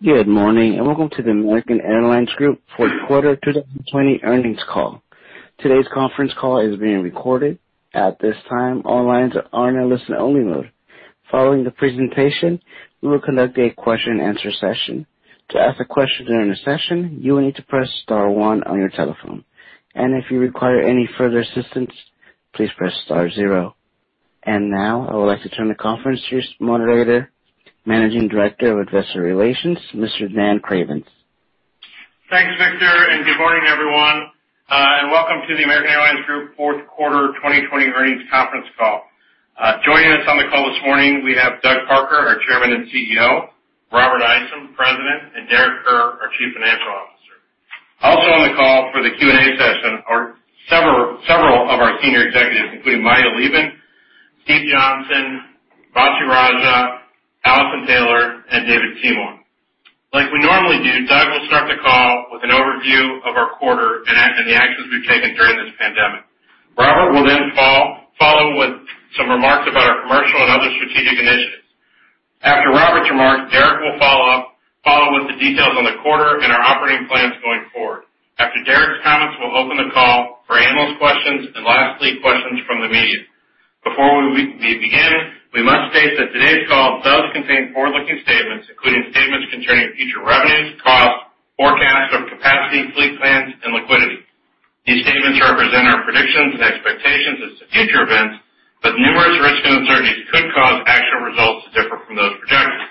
Good morning, and welcome to the American Airlines Group fourth quarter 2020 earnings call. Today's conference call is being recorded. At this time, all lines are in a listen-only mode. Following the presentation, we will conduct a question-and-answer session. To ask a question during the session you need to press star one on your telephone, and if you require further assistance please press star zero. Now, I would like to turn the conference to your moderator, Managing Director of Investor Relations, Mr. Dan Cravens. Thanks, Victor, and good morning, everyone, and welcome to the American Airlines Group fourth quarter 2020 earnings conference call. Joining us on the call this morning, we have Doug Parker, our Chairman and CEO, Rob Isom, President, and Derek Kerr, our Chief Financial Officer. Also on the call for the Q&A session are several of our senior executives, including Maya Leibman, Steve Johnson, Vasu Raja, Alison Taylor, and David Seymour. Like we normally do, Doug will start the call with an overview of our quarter and the actions we've taken during this pandemic. Robert will follow with some remarks about our commercial and other strategic initiatives. After Robert's remarks, Derek will follow with the details on the quarter and our operating plans going forward. After Derek's comments, we'll open the call for analyst questions and lastly, questions from the media. Before we begin, we must state that today's call does contain forward-looking statements, including statements concerning future revenues, costs, forecasts of capacity, fleet plans, and liquidity. These statements represent our predictions and expectations as to future events, but numerous risks and uncertainties could cause actual results to differ from those projections.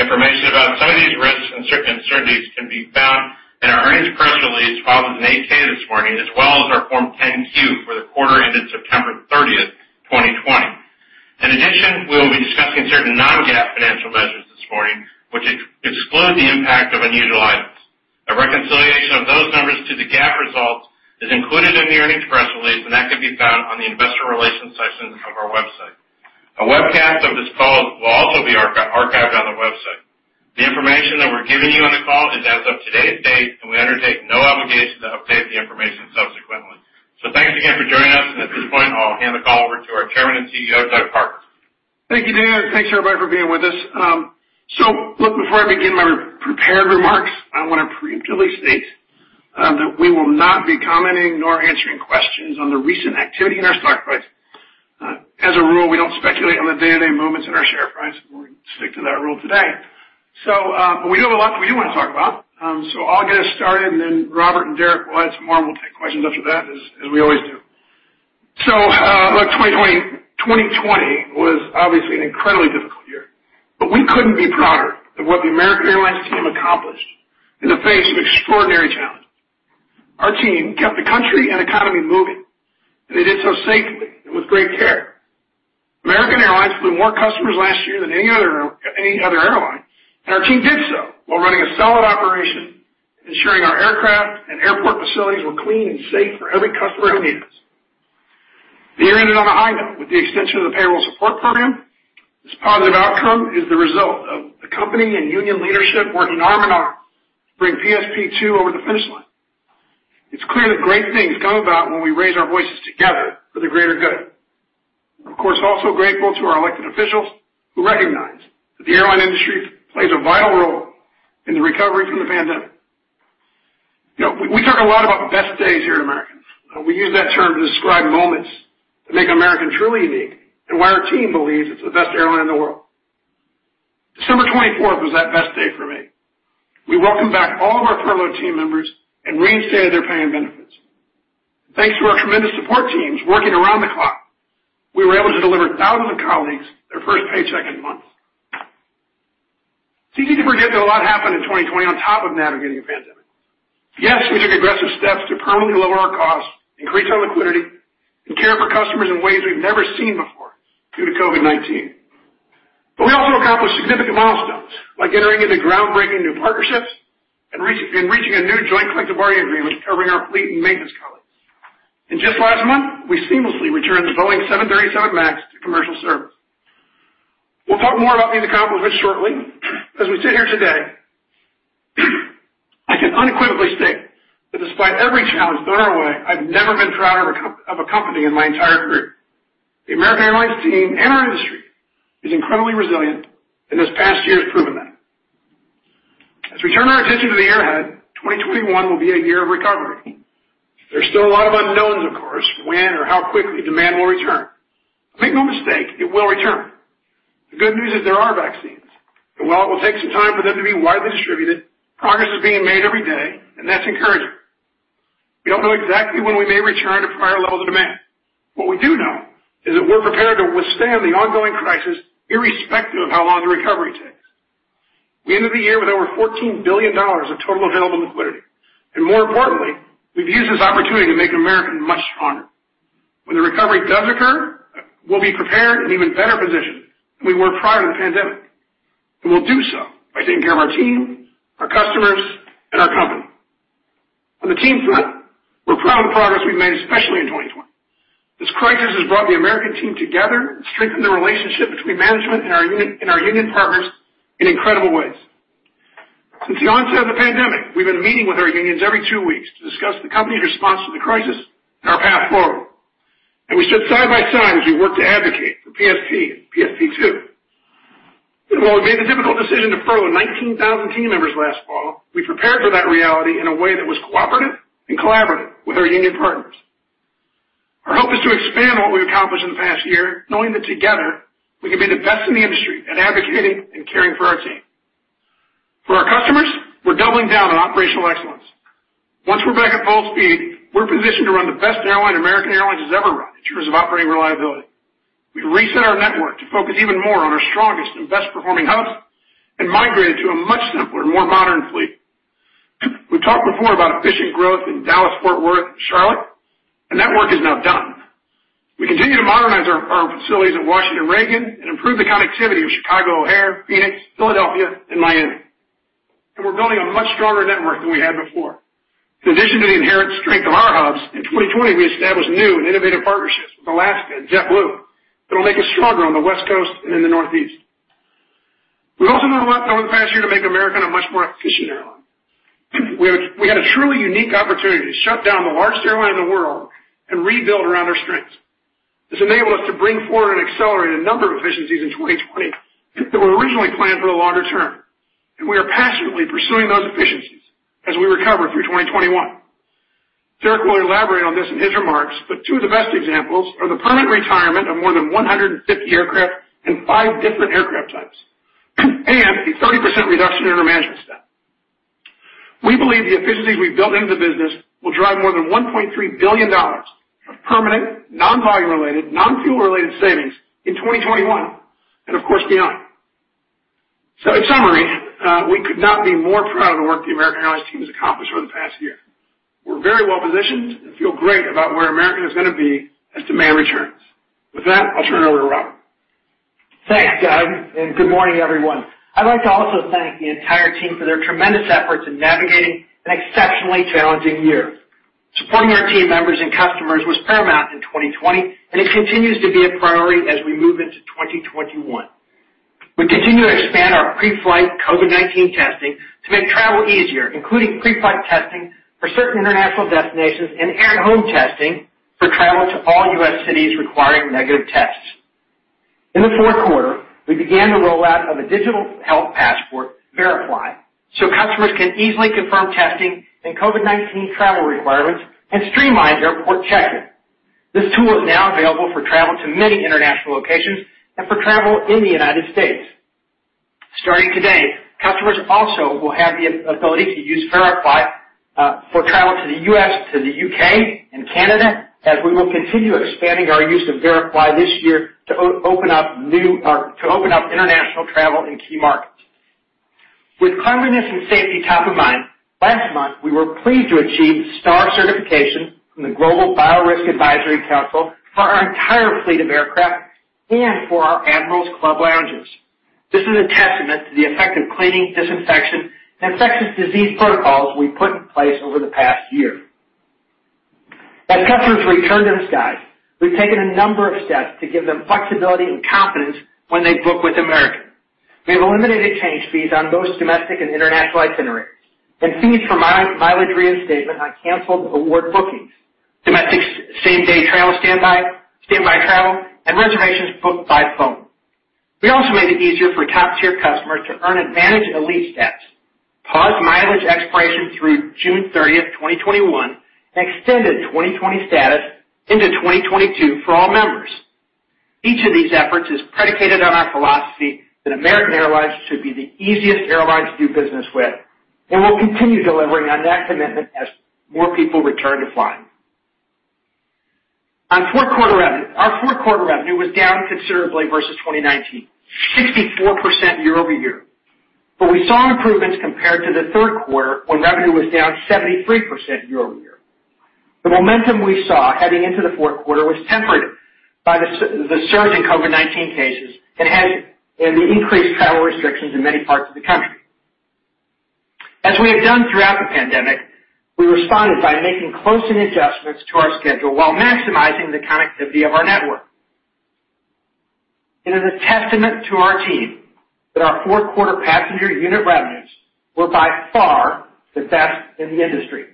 Information about some of these risks and uncertainties can be found in our earnings press release filed with an 8-K this morning, as well as our Form 10-Q for the quarter ended September 30th, 2020. In addition, we will be discussing certain non-GAAP financial measures this morning, which exclude the impact of unusual items. A reconciliation of those numbers to the GAAP results is included in the earnings press release, and that can be found on the investor relations section of our website. A webcast of this call will also be archived on the website. The information that we're giving you on the call is as of today's date, and we undertake no obligation to update the information subsequently. Thanks again for joining us, and at this point, I'll hand the call over to our Chairman and CEO, Doug Parker. Thank you, Dan. Thanks, everybody, for being with us. Look, before I begin my prepared remarks, I want to preemptively state that we will not be commenting nor answering questions on the recent activity in our stock price. As a rule, we don't speculate on the day-to-day movements in our share price, and we'll stick to that rule today. We do have a lot that we do want to talk about. I'll get us started and then Robert and Derek will add some more, and we'll take questions after that as we always do. Look, 2020 was obviously an incredibly difficult year. We couldn't be prouder of what the American Airlines team accomplished in the face of extraordinary challenges. Our team kept the country and economy moving, and they did so safely and with great care. American Airlines flew more customers last year than any other airline. Our team did so while running a solid operation, ensuring our aircraft and airport facilities were clean and safe for every customer who needed us. The year ended on a high note with the extension of the payroll support program. This positive outcome is the result of the company and union leadership working arm in arm to bring PSP2 over the finish line. It's clear that great things come about when we raise our voices together for the greater good. We're of course, also grateful to our elected officials who recognize that the airline industry plays a vital role in the recovery from the pandemic. We talk a lot about best days here at American. We use that term to describe moments that make American truly unique and why our team believes it's the best airline in the world. December 24th was that best day for me. We welcomed back all of our furloughed team members and reinstated their pay and benefits. Thanks to our tremendous support teams working around the clock, we were able to deliver thousands of colleagues their first paycheck in months. It's easy to forget that a lot happened in 2020 on top of navigating a pandemic. Yes, we took aggressive steps to permanently lower our costs, increase our liquidity, and care for customers in ways we've never seen before due to COVID-19. We also accomplished significant milestones by entering into groundbreaking new partnerships and reaching a new joint collective bargaining agreement covering our fleet and maintenance colleagues. Just last month, we seamlessly returned the Boeing 737 MAX to commercial service. We'll talk more about these accomplishments shortly. As we sit here today, I can unequivocally state that despite every challenge thrown our way, I've never been prouder of a company in my entire career. The American Airlines team and our industry is incredibly resilient, and this past year has proven that. As we turn our attention to the air ahead, 2021 will be a year of recovery. There's still a lot of unknowns, of course, when or how quickly demand will return. Make no mistake, it will return. The good news is there are vaccines. While it will take some time for them to be widely distributed, progress is being made every day, and that's encouraging. We don't know exactly when we may return to prior levels of demand. What we do know is that we're prepared to withstand the ongoing crisis irrespective of how long the recovery takes. We ended the year with over $14 billion of total available liquidity. More importantly, we've used this opportunity to make American much stronger. When the recovery does occur, we'll be prepared and even better positioned than we were prior to the pandemic. We'll do so by taking care of our team, our customers, and our company. On the team front, we're proud of the progress we've made, especially in 2020. This crisis has brought the American team together and strengthened the relationship between management and our union partners in incredible ways. Since the onset of the pandemic, we've been meeting with our unions every two weeks to discuss the company's response to the crisis and our path forward. We stood side by side as we worked to advocate for PSP and PSP2. While we made the difficult decision to furlough 19,000 team members last fall, we prepared for that reality in a way that was cooperative and collaborative with our union partners. Our hope is to expand what we've accomplished in the past year, knowing that together we can be the best in the industry at advocating and caring for our team. For our customers, we're doubling down on operational excellence. Once we're back at full speed, we're positioned to run the best airline American Airlines has ever run in terms of operating reliability. We've reset our network to focus even more on our strongest and best-performing hubs and migrated to a much simpler and more modern fleet. We've talked before about efficient growth in Dallas, Fort Worth, and Charlotte. That work is now done. We continue to modernize our facilities at Washington Reagan and improve the connectivity of Chicago O'Hare, Phoenix, Philadelphia, and Miami. We're building a much stronger network than we had before. In addition to the inherent strength of our hubs, in 2020, we established new and innovative partnerships with Alaska and JetBlue that'll make us stronger on the West Coast and in the Northeast. We also did a lot over the past year to make American a much more efficient airline. We had a truly unique opportunity to shut down the largest airline in the world and rebuild around our strengths. This enabled us to bring forward and accelerate a number of efficiencies in 2020 that were originally planned for the longer term, and we are passionately pursuing those efficiencies as we recover through 2021. Derek will elaborate on this in his remarks, but two of the best examples are the permanent retirement of more than 150 aircraft and five different aircraft types, and a 30% reduction in our management staff. We believe the efficiencies we've built into the business will drive more than $1.3 billion of permanent, non-volume related, non-fuel related savings in 2021, and of course, beyond. In summary, we could not be more proud of the work the American Airlines team has accomplished over the past year. We're very well-positioned and feel great about where American is going to be as demand returns. With that, I'll turn it over to Rob. Thanks, Doug. Good morning, everyone. I'd like to also thank the entire team for their tremendous efforts in navigating an exceptionally challenging year. Supporting our team members and customers was paramount in 2020. It continues to be a priority as we move into 2021. We continue to expand our pre-flight COVID-19 testing to make travel easier, including pre-flight testing for certain international destinations and at-home testing for travel to all U.S. cities requiring negative tests. In the fourth quarter, we began the rollout of a digital health passport, VeriFLY. Customers can easily confirm testing and COVID-19 travel requirements and streamline airport check-in. This tool is now available for travel to many international locations and for travel in the United States. Starting today, customers also will have the ability to use VeriFLY for travel to the U.S., to the U.K., and Canada, as we will continue expanding our use of VeriFLY this year to open up international travel in key markets. With cleanliness and safety top of mind, last month, we were pleased to achieve STAR certification from the Global Biorisk Advisory Council for our entire fleet of aircraft and for our Admirals Club lounges. This is a testament to the effective cleaning, disinfection, and infectious disease protocols we've put in place over the past year. As customers return to the skies, we've taken a number of steps to give them flexibility and confidence when they book with American. We have eliminated change fees on most domestic and international itineraries and fees for mileage reinstatement on canceled award bookings, domestic same-day travel standby travel, and reservations booked by phone. We also made it easier for top-tier customers to earn AAdvantage elite status, paused mileage expiration through June 30th, 2021, and extended 2020 status into 2022 for all members. Each of these efforts is predicated on our philosophy that American Airlines should be the easiest airline to do business with. We'll continue delivering on that commitment as more people return to flying. Our fourth quarter revenue was down considerably versus 2019, 64% year-over-year. We saw improvements compared to the third quarter, when revenue was down 73% year-over-year. The momentum we saw heading into the fourth quarter was tempered by the surge in COVID-19 cases and the increased travel restrictions in many parts of the country. As we have done throughout the pandemic, we responded by making closing adjustments to our schedule while maximizing the connectivity of our network. It is a testament to our team that our fourth quarter passenger unit revenues were by far the best in the industry.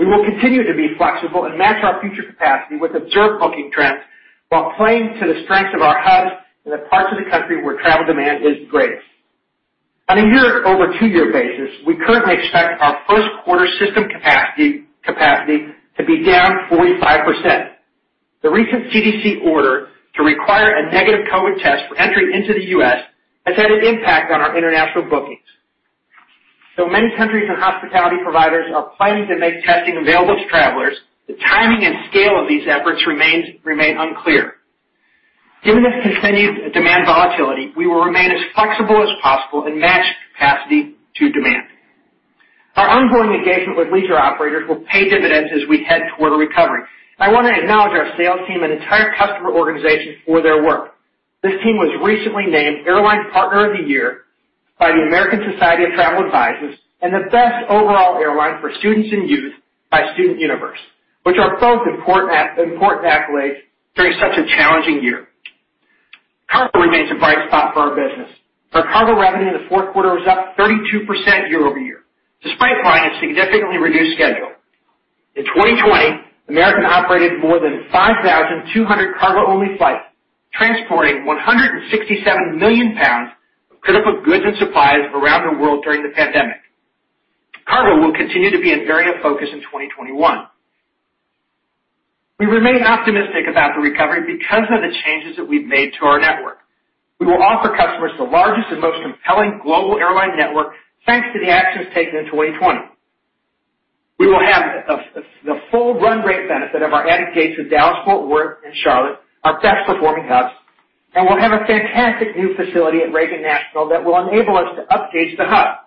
We will continue to be flexible and match our future capacity with observed booking trends while playing to the strengths of our hubs in the parts of the country where travel demand is greatest. On a year-over-two-year basis, we currently expect our first quarter system capacity to be down 45%. The recent CDC order to require a negative COVID test for entry into the U.S. has had an impact on our international bookings. Though many countries and hospitality providers are planning to make testing available to travelers, the timing and scale of these efforts remain unclear. Given this continued demand volatility, we will remain as flexible as possible and match capacity to demand. Our ongoing engagement with leisure operators will pay dividends as we head toward a recovery. I want to acknowledge our sales team and entire customer organization for their work. This team was recently named Airline Partner of the Year by the American Society of Travel Advisors and the best overall airline for students and youth by StudentUniverse, which are both important accolades during such a challenging year. A bright spot for our business. Our cargo revenue in the fourth quarter was up 32% year-over-year, despite flying a significantly reduced schedule. In 2020, American operated more than 5,200 cargo-only flights, transporting 167 million pounds of critical goods and supplies around the world during the pandemic. Cargo will continue to be an area of focus in 2021. We remain optimistic about the recovery because of the changes that we've made to our network. We will offer customers the largest and most compelling global airline network thanks to the actions taken in 2020. We will have the full run rate benefit of our added gates with Dallas Fort Worth and Charlotte, our best-performing hubs, and we'll have a fantastic new facility at Reagan National that will enable us to up-gauge the hub.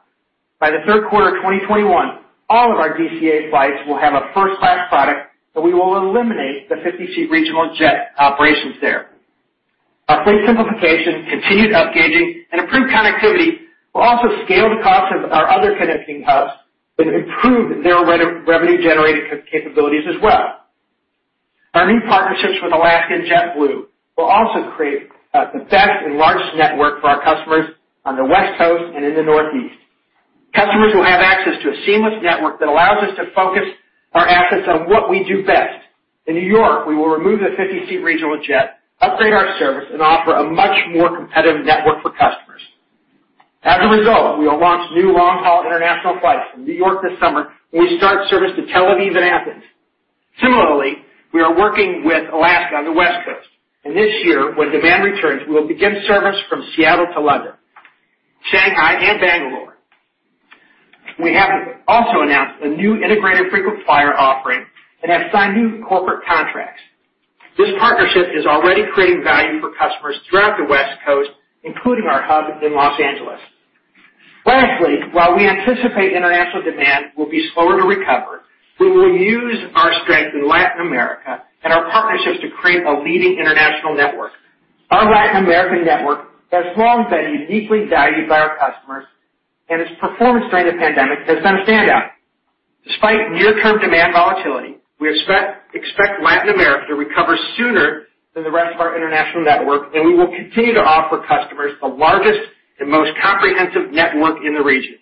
By the third quarter of 2021, all of our DCA flights will have a first-class product, and we will eliminate the 50-seat regional jet operations there. Our fleet simplification, continued up-gauging, and improved connectivity will also scale the cost of our other connecting hubs and improve their revenue-generating capabilities as well. Our new partnerships with Alaska and JetBlue will also create the best and largest network for our customers on the West Coast and in the Northeast. Customers will have access to a seamless network that allows us to focus our assets on what we do best. In New York, we will remove the 50-seat regional jet, upgrade our service, and offer a much more competitive network for customers. As a result, we will launch new long-haul international flights from New York this summer when we start service to Tel Aviv and Athens. Similarly, we are working with Alaska on the West Coast, and this year, when demand returns, we will begin service from Seattle to London, Shanghai, and Bangalore. We have also announced a new integrated frequent flyer offering and have signed new corporate contracts. This partnership is already creating value for customers throughout the West Coast, including our hub in Los Angeles. Lastly, while we anticipate international demand will be slower to recover, we will use our strength in Latin America and our partnerships to create a leading international network. Our Latin American network has long been uniquely valued by our customers, and its performance during the pandemic has been a standout. Despite near-term demand volatility, we expect Latin America to recover sooner than the rest of our international network, and we will continue to offer customers the largest and most comprehensive network in the region.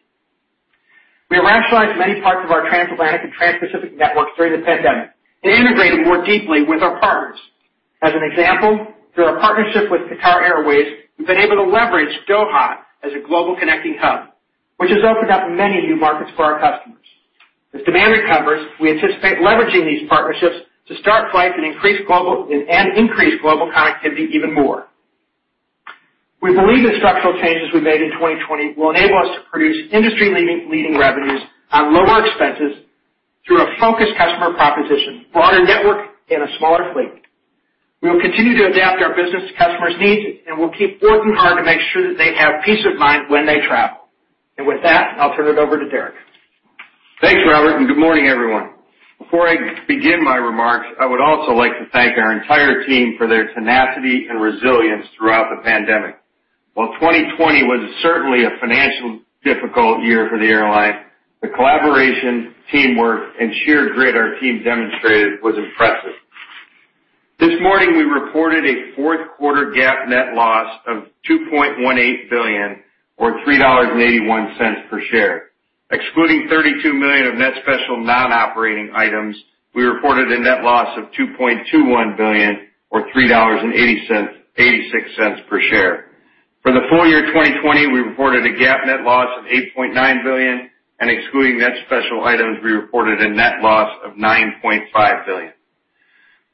We rationalized many parts of our transatlantic and transpacific networks during the pandemic and integrated more deeply with our partners. As an example, through our partnership with Qatar Airways, we've been able to leverage Doha as a global connecting hub, which has opened up many new markets for our customers. As demand recovers, we anticipate leveraging these partnerships to start flights and increase global connectivity even more. We believe the structural changes we made in 2020 will enable us to produce industry-leading revenues on lower expenses through a focused customer proposition, broader network, and a smaller fleet. We will continue to adapt our business to customers' needs, and we'll keep working hard to make sure that they have peace of mind when they travel. With that, I'll turn it over to Derek. Thanks, Robert, and good morning, everyone. Before I begin my remarks, I would also like to thank our entire team for their tenacity and resilience throughout the pandemic. While 2020 was certainly a financially difficult year for the airline, the collaboration, teamwork, and sheer grit our team demonstrated was impressive. This morning, we reported a fourth quarter GAAP net loss of $2.18 billion or $3.81 per share. Excluding $32 million of net special non-operating items, we reported a net loss of $2.21 billion or $3.86 per share. For the full year 2020, we reported a GAAP net loss of $8.9 billion, and excluding net special items, we reported a net loss of $9.5 billion.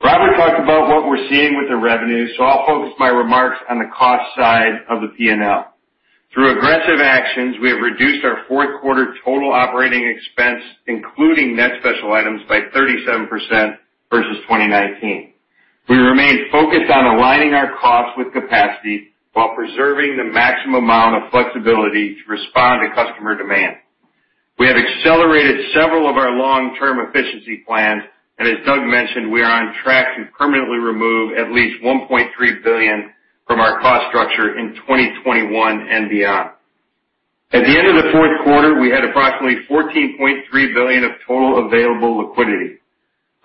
Robert talked about what we're seeing with the revenue, I'll focus my remarks on the cost side of the P&L. Through aggressive actions, we have reduced our fourth quarter total operating expense, including net special items, by 37% versus 2019. We remain focused on aligning our costs with capacity while preserving the maximum amount of flexibility to respond to customer demand. We have accelerated several of our long-term efficiency plans, and as Doug mentioned, we are on track to permanently remove at least $1.3 billion from our cost structure in 2021 and beyond. At the end of the fourth quarter, we had approximately $14.3 billion of total available liquidity.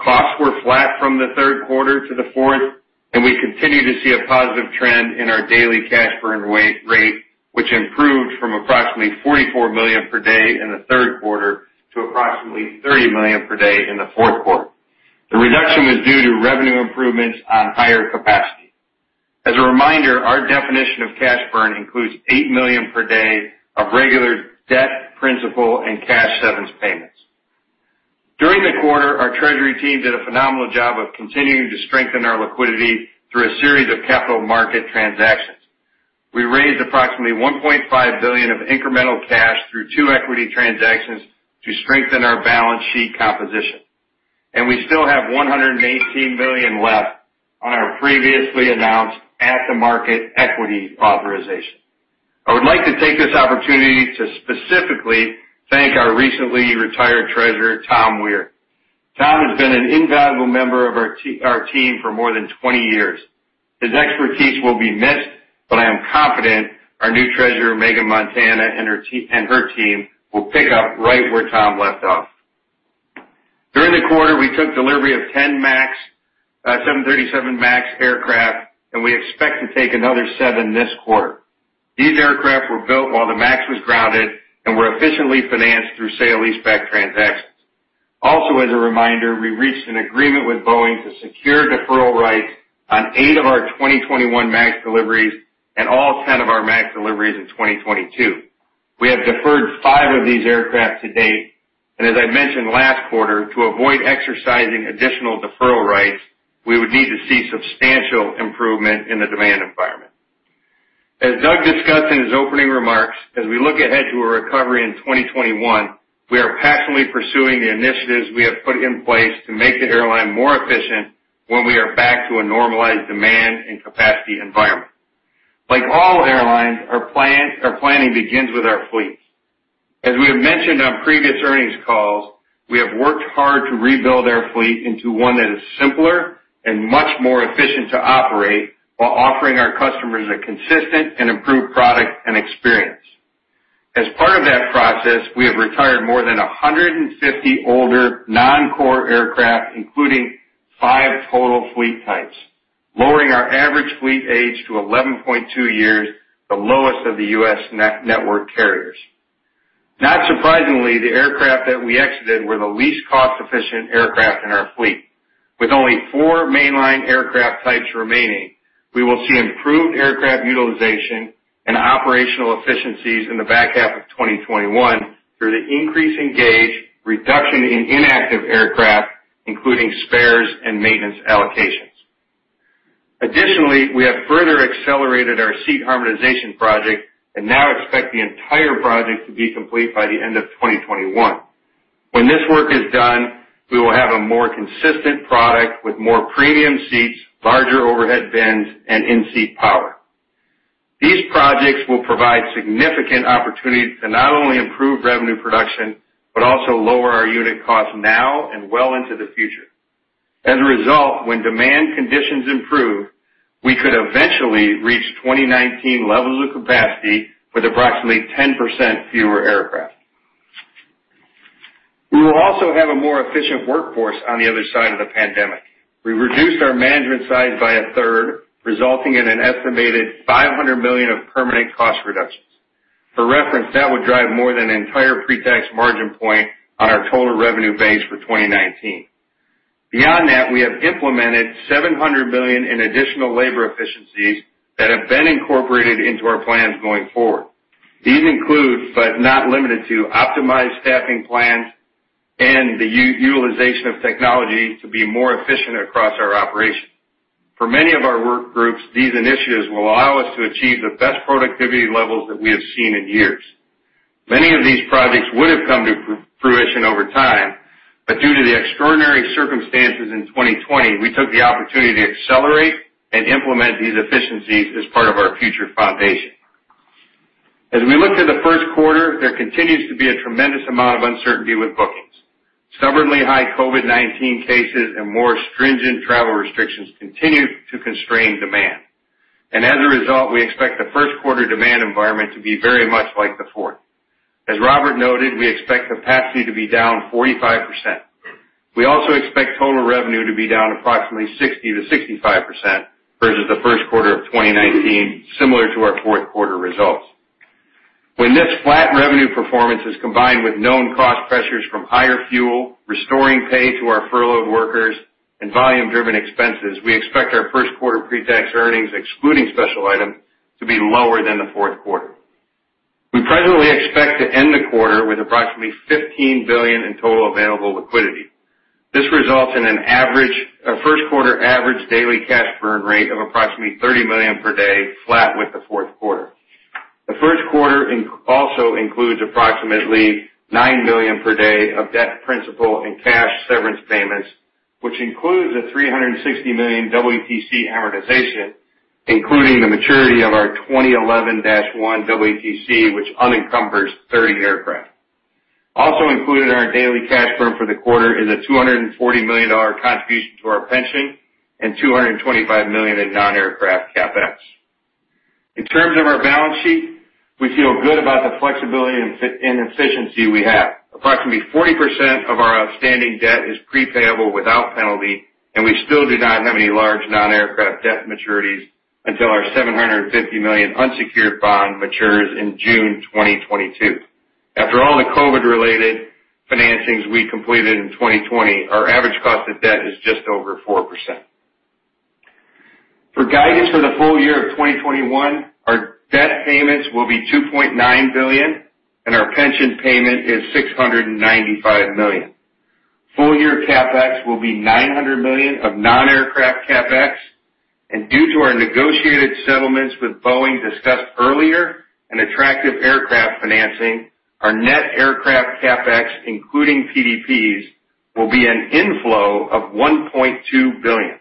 Costs were flat from the third quarter to the fourth, and we continue to see a positive trend in our daily cash burn rate, which improved from approximately $44 million per day in the third quarter to approximately $30 million per day in the fourth quarter. The reduction was due to revenue improvements on higher capacity. As a reminder, our definition of cash burn includes $8 million per day of regular debt, principal, and cash severance payments. During the quarter, our treasury team did a phenomenal job of continuing to strengthen our liquidity through a series of capital market transactions. We raised approximately $1.5 billion of incremental cash through two equity transactions to strengthen our balance sheet composition. We still have $118 million left on our previously announced at-the-market equity authorization. I would like to take this opportunity to specifically thank our recently retired Treasurer, Tom Weir. Tom has been an invaluable member of our team for more than 20 years. His expertise will be missed. I am confident our new Treasurer, Meghan Montana, and her team will pick up right where Tom left off. We took delivery of 10 MAX, 737 MAX aircraft. We expect to take another seven this quarter. These aircraft were built while the MAX was grounded and were efficiently financed through sale-leaseback transactions. As a reminder, we reached an agreement with Boeing to secure deferral rights on eight of our 2021 MAX deliveries and all 10 of our MAX deliveries in 2022. We have deferred five of these aircraft to date, as I mentioned last quarter, to avoid exercising additional deferral rights, we would need to see substantial improvement in the demand environment. As Doug discussed in his opening remarks, as we look ahead to a recovery in 2021, we are passionately pursuing the initiatives we have put in place to make the airline more efficient when we are back to a normalized demand and capacity environment. Like all airlines, our planning begins with our fleets. As we have mentioned on previous earnings calls, we have worked hard to rebuild our fleet into one that is simpler and much more efficient to operate while offering our customers a consistent and improved product and experience. As part of that process, we have retired more than 150 older non-core aircraft, including five total fleet types, lowering our average fleet age to 11.2 years, the lowest of the U.S. network carriers. Not surprisingly, the aircraft that we exited were the least cost-efficient aircraft in our fleet. With only four mainline aircraft types remaining, we will see improved aircraft utilization and operational efficiencies in the back half of 2021 through the increasing gauge, reduction in inactive aircraft, including spares and maintenance allocations. Additionally, we have further accelerated our seat harmonization project and now expect the entire project to be complete by the end of 2021. When this work is done, we will have a more consistent product with more premium seats, larger overhead bins, and in-seat power. These projects will provide significant opportunities to not only improve revenue production, but also lower our unit cost now and well into the future. As a result, when demand conditions improve, we could eventually reach 2019 levels of capacity with approximately 10% fewer aircraft. We will also have a more efficient workforce on the other side of the pandemic. We reduced our management size by a third, resulting in an estimated $500 million of permanent cost reductions. For reference, that would drive more than an entire pre-tax margin point on our total revenue base for 2019. Beyond that, we have implemented $700 million in additional labor efficiencies that have been incorporated into our plans going forward. These include, but not limited to, optimized staffing plans and the utilization of technology to be more efficient across our operations. For many of our work groups, these initiatives will allow us to achieve the best productivity levels that we have seen in years. Many of these projects would have come to fruition over time, but due to the extraordinary circumstances in 2020, we took the opportunity to accelerate and implement these efficiencies as part of our future foundation. As we look to the first quarter, there continues to be a tremendous amount of uncertainty with bookings. Stubbornly high COVID-19 cases and more stringent travel restrictions continue to constrain demand. As a result, we expect the first quarter demand environment to be very much like the fourth. As Robert noted, we expect capacity to be down 45%. We also expect total revenue to be down approximately 60%-65% versus the first quarter of 2019, similar to our fourth quarter results. When this flat revenue performance is combined with known cost pressures from higher fuel, restoring pay to our furloughed workers, and volume-driven expenses, we expect our first quarter pre-tax earnings, excluding special items, to be lower than the fourth quarter. We presently expect to end the quarter with approximately $15 billion in total available liquidity. This results in a first quarter average daily cash burn rate of approximately $30 million per day, flat with the fourth quarter. The first quarter also includes approximately $9 million per day of debt principal and cash severance payments, which includes a $360 million EETC amortization, including the maturity of our 2011-1 EETC, which unencumbers 30 aircraft. Also included in our daily cash burn for the quarter is a $240 million contribution to our pension and $225 million in non-aircraft CapEx. In terms of our balance sheet, we feel good about the flexibility and efficiency we have. Approximately 40% of our outstanding debt is prepayable without penalty, and we still do not have any large non-aircraft debt maturities until our $750 million unsecured bond matures in June 2022. After all the COVID-related financings we completed in 2020, our average cost of debt is just over 4%. For guidance for the full year of 2021, our debt payments will be $2.9 billion, and our pension payment is $695 million. Full-year CapEx will be $900 million of non-aircraft CapEx, and due to our negotiated settlements with Boeing discussed earlier and attractive aircraft financing, our net aircraft CapEx, including PDPs, will be an inflow of $1.2 billion.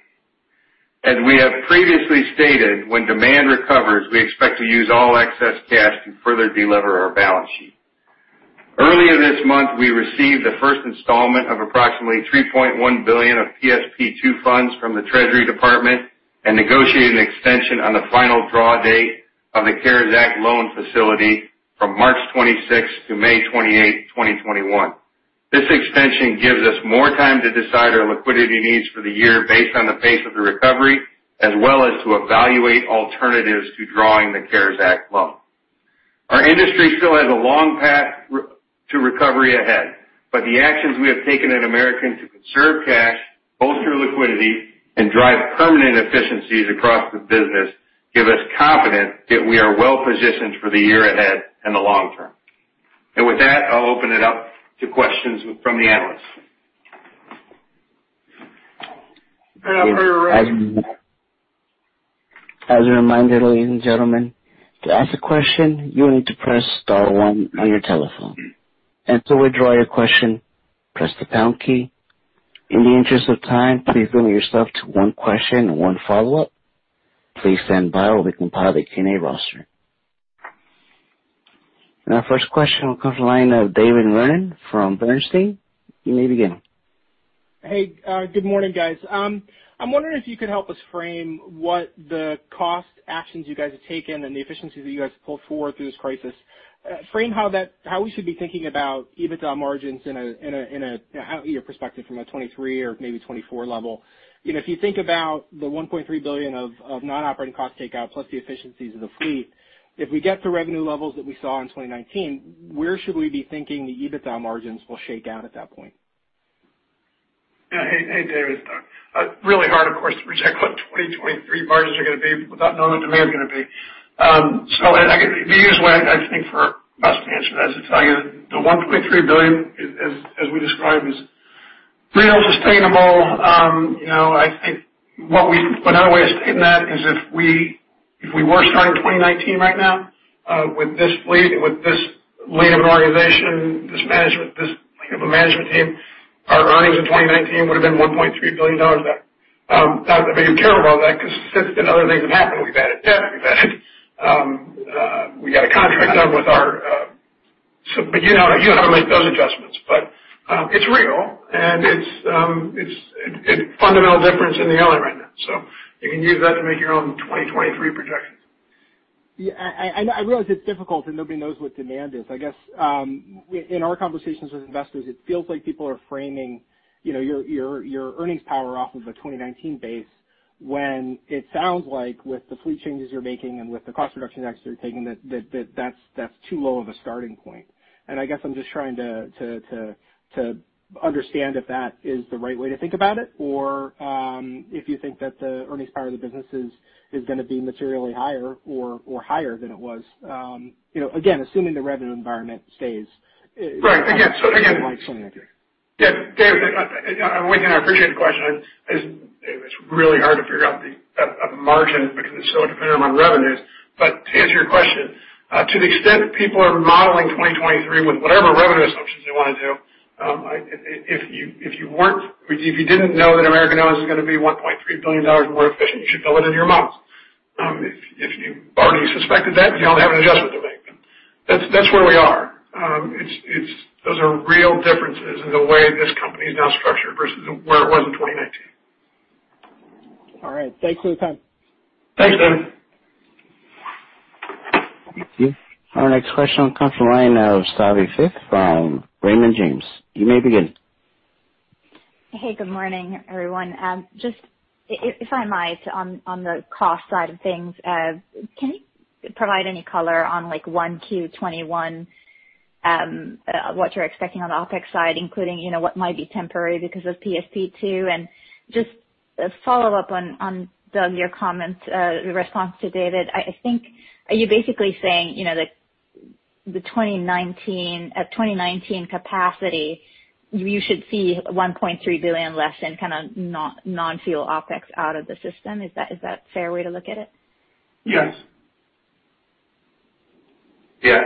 As we have previously stated, when demand recovers, we expect to use all excess cash to further delever our balance sheet. Earlier this month, we received the first installment of approximately $3.1 billion PSP2 funds from the Treasury Department and negotiated an extension on the final draw date of the CARES Act loan facility from March 26th to May 28th, 2021. This extension gives us more time to decide our liquidity needs for the year based on the pace of the recovery, as well as to evaluate alternatives to drawing the CARES Act loan. Our industry still has a long path to recovery ahead. The actions we have taken at American to conserve cash, bolster liquidity, and drive permanent efficiencies across the business give us confidence that we are well-positioned for the year ahead and the long term. With that, I'll open it up to questions from the analysts. Operator. As a reminder, ladies and gentlemen, to ask a question, you will need to press star one on your telephone, and to withdraw your question, press the pound key. In the interest of time, please limit yourself to one question and one follow-up. Please stand by while we compile the Q&A roster. Our first question will come from the line of David Vernon from Bernstein. You may begin. Hey, good morning, guys. I'm wondering if you could help us frame what the cost actions you guys have taken and the efficiencies that you guys have pulled forward through this crisis. Frame how we should be thinking about EBITDA margins in your perspective from a 2023 or maybe 2024 level. If you think about the $1.3 billion of non-operating cost takeout plus the efficiencies of the fleet, if we get to revenue levels that we saw in 2019, where should we be thinking the EBITDA margins will shake out at that point? Hey, David. It's really hard, of course, to project what 2023 margins are going to be without knowing demand's going to be. Maybe here's what I think for best answer. I should tell you the $1.3 billion, as we described, is real sustainable. I think another way of stating that is if we were starting 2019 right now with this fleet, with this lay of an organization, this management, this management team, our earnings in 2019 would have been $1.3 billion. Not that I'm being [inaudible] about that because since then other things have happened. We've added debt, we got a contract done with our you know how to make those adjustments, but it's real, and it's a fundamental difference airline right now. You can use that to make your own 2023 projections. Yeah. I realize it's difficult and nobody knows what demand is. I guess, in our conversations with investors, it feels like people are framing your earnings power off of a 2019 base when it sounds like with the fleet changes you're making and with the cost reductions actually you're taking that that's too low of a starting point. I guess I'm just trying to understand if that is the right way to think about it or if you think that the earnings power of the business is going to be materially higher or higher than it was. Again, assuming the revenue environment stays- Right. ...like 2019. David, one thing I appreciate the question is it's really hard to figure out the margin because it's so dependent on revenues. To answer your question, to the extent people are modeling 2023 with whatever revenue assumptions they want to do, if you didn't know that American Airlines is going to be $1.3 billion more efficient, you should fill it into your model. If you already suspected that, you don't have an adjustment to make then. That's where we are. Those are real differences in the way this company is now structured versus where it was in 2019. All right. Thanks for the time. Thanks, David. Thank you. Our next question comes from the line of Savi Syth from Raymond James. You may begin. Hey, good morning, everyone. Just if I might, on the cost side of things, can you provide any color on 1Q 2021, what you're expecting on the OpEx side, including what might be temporary because of PSP2? Just a follow-up on, Doug, your comments, response to David. I think are you basically saying that at 2019 capacity, you should see $1.3 billion less in non-fuel OpEx out of the system? Is that a fair way to look at it? Yes. Yeah.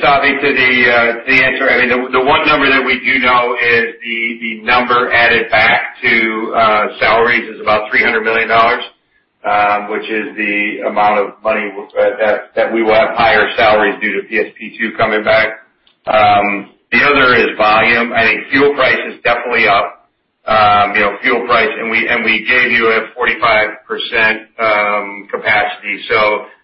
Savi, to the answer, the one number that we do know is the number added back to salaries is about $300 million, which is the amount of money that we will have higher salaries due to PSP2 coming back. The other is volume. I think fuel price is definitely up. Fuel price, we gave you a 45% capacity.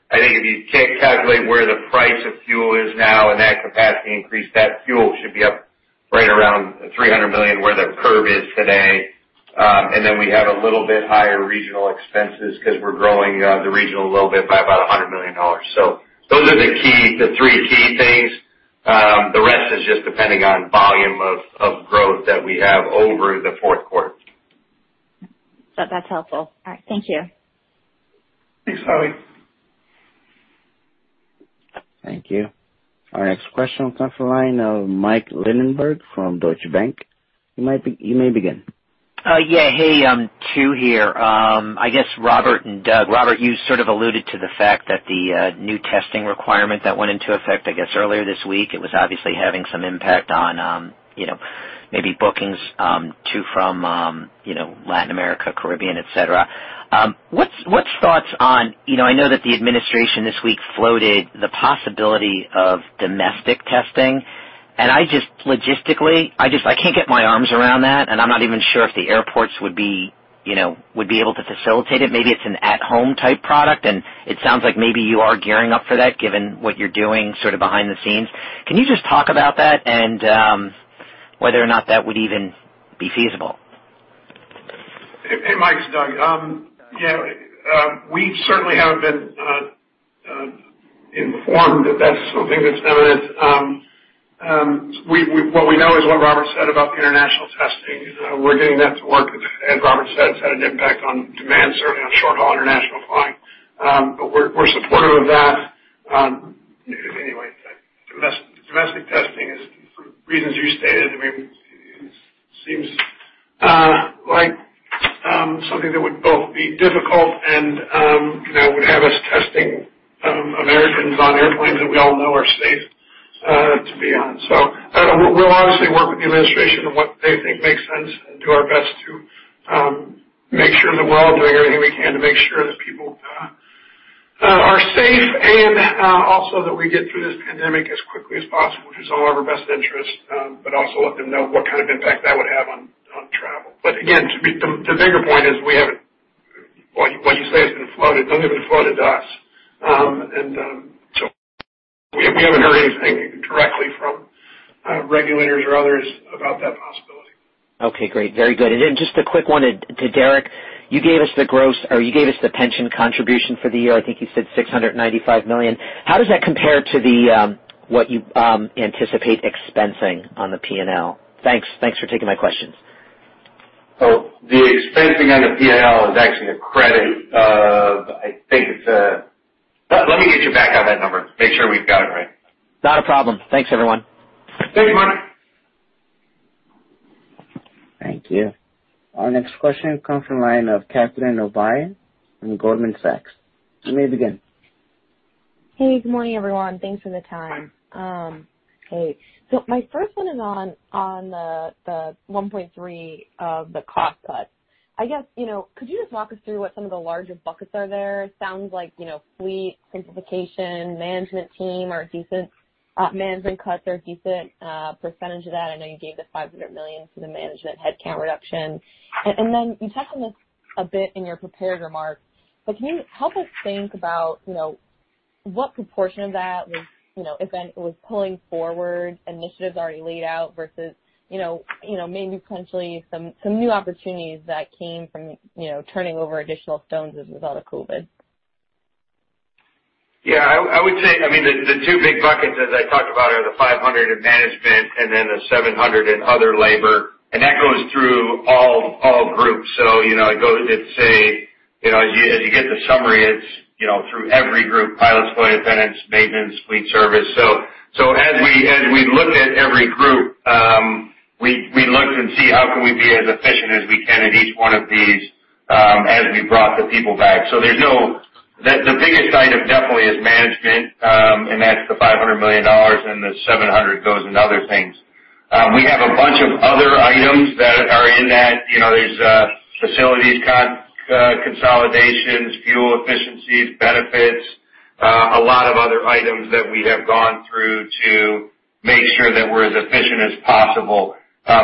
I think if you calculate where the price of fuel is now and that capacity increase, that fuel should be up right around $300 million where the curve is today. We have a little bit higher regional expenses because we're growing the regional a little bit by about $100 million. Those are the three key things. The rest is just depending on volume of growth that we have over the fourth quarter. That's helpful. All right. Thank you. Thanks, Savi. Thank you. Our next question comes from the line of Mike Linenberg from Deutsche Bank. You may begin. Yeah. Hey, two here. I guess, Robert and Doug. Robert, you sort of alluded to the fact that the new testing requirement that went into effect, I guess, earlier this week, it was obviously having some impact on maybe bookings to from Latin America, Caribbean, etc. What's thoughts on I know that the administration this week floated the possibility of domestic testing? Just logistically, I can't get my arms around that, and I'm not even sure if the airports would be able to facilitate it. Maybe it's an at-home type product, and it sounds like maybe you are gearing up for that, given what you're doing sort of behind the scenes. Can you just talk about that and whether or not that would even be feasible? Hey, Mike, it's Doug. We certainly have been informed that that's something that's evident. What we know is what Robert said about the international testing. We're getting that to work. As Robert said, it's had an impact on demand, certainly on short-haul international flying. We're supportive of that anyway. Domestic testing is, for reasons you stated, it seems like something that would both be difficult and would have us testing Americans on airplanes that we all know are safe to be on. We'll obviously work with the administration on what they think makes sense and do our best to make sure that we're all doing everything we can to make sure that people are safe and also that we get through this pandemic as quickly as possible, which is all in our best interest, but also let them know what kind of impact that would have on travel. Again, the bigger point is, what you say has been floated doesn't even floated to us. We haven't heard anything directly from regulators or others about that possibility. Okay, great. Very good. Just a quick one to Derek. You gave us the pension contribution for the year. I think you said $695 million. How does that compare to what you anticipate expensing on the P&L? Thanks for taking my questions. The expensing on the P&L is actually a credit of, Let me get you back on that number, make sure we've got it right. Not a problem. Thanks, everyone. Thanks, Mike. Thank you. Our next question comes from the line of Catherine O'Brien from Goldman Sachs. You may begin. Hey, good morning, everyone. Thanks for the time. My first one is on the 1.3 of the cost cuts. Could you just walk us through what some of the larger buckets are there? It sounds like fleet simplification, Management cuts are a decent percentage of that. I know you gave the $500 million for the management headcount reduction. You touched on this a bit in your prepared remarks, but can you help us think about what proportion of that was pulling forward initiatives already laid out versus maybe potentially some new opportunities that came from turning over additional stones as a result of COVID? I would say, the two big buckets as I talked about are the $500 in management, then the $700 in other labor. That goes through all groups. It goes, as you get the summary, it's through every group, pilots, flight attendants, maintenance, fleet service. As we looked at every group, we looked to see how can we be as efficient as we can at each one of these as we brought the people back. The biggest item definitely is management, that's the $500 million. The $700 goes into other things. We have a bunch of other items that are in that. There's facilities consolidations, fuel efficiencies, benefits, a lot of other items that we have gone through to make sure that we're as efficient as possible.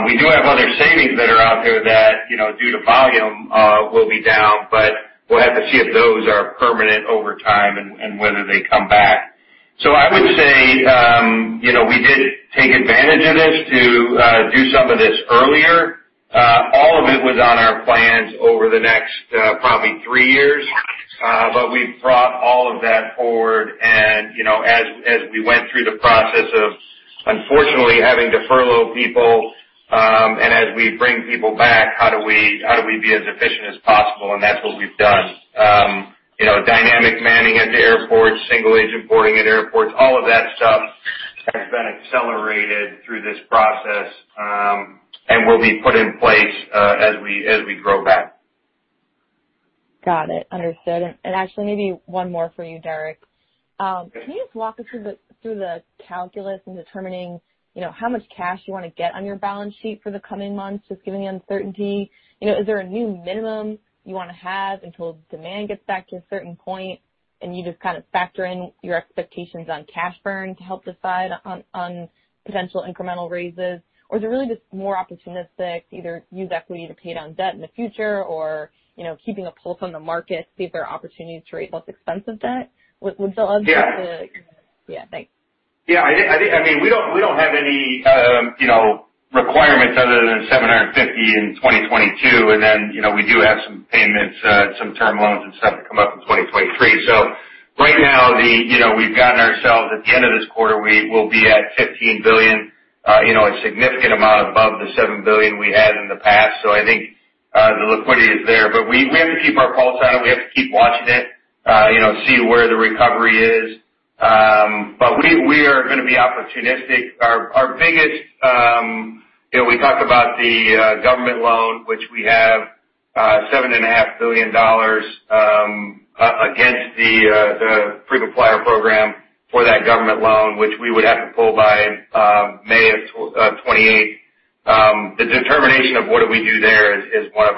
We do have other savings that are out there that, due to volume, will be down, but we'll have to see if those are permanent over time and whether they come back. I would say, we did take advantage of this to do some of this earlier. All of it was on our plans over the next probably three years, but we've brought all of that forward and as we went through the process of unfortunately having to furlough people, and as we bring people back, how do we be as efficient as possible? That's what we've done. Dynamic manning at the airports, single agent boarding at airports, all of that stuff has been accelerated through this process, and will be put in place as we grow back. Got it. Understood. Actually, maybe one more for you, Derek. Okay. Can you just walk us through the calculus in determining how much cash you want to get on your balance sheet for the coming months, just given the uncertainty? Is there a new minimum you want to have until demand gets back to a certain point, and you just kind of factor in your expectations on cash burn to help decide on potential incremental raises? Or is it really just more opportunistic, either use equity to pay down debt in the future or keeping a pulse on the market, see if there are opportunities to raise less expensive debt? Yeah. Yeah, thanks. Yeah. We don't have any requirements other than 750 in 2022. We do have some payments, some term loans and stuff that come up in 2023. Right now, we've gotten ourselves, at the end of this quarter, we will be at $15 billion, a significant amount above the $7 billion we had in the past. I think the liquidity is there. We have to keep our pulse on it. We have to keep watching it, see where the recovery is. We are going to be opportunistic. We talk about the government loan, which we have $7.5 billion against the frequent-flyer program for that government loan, which we would have to pull by May of 28th. The determination of what do we do there is one of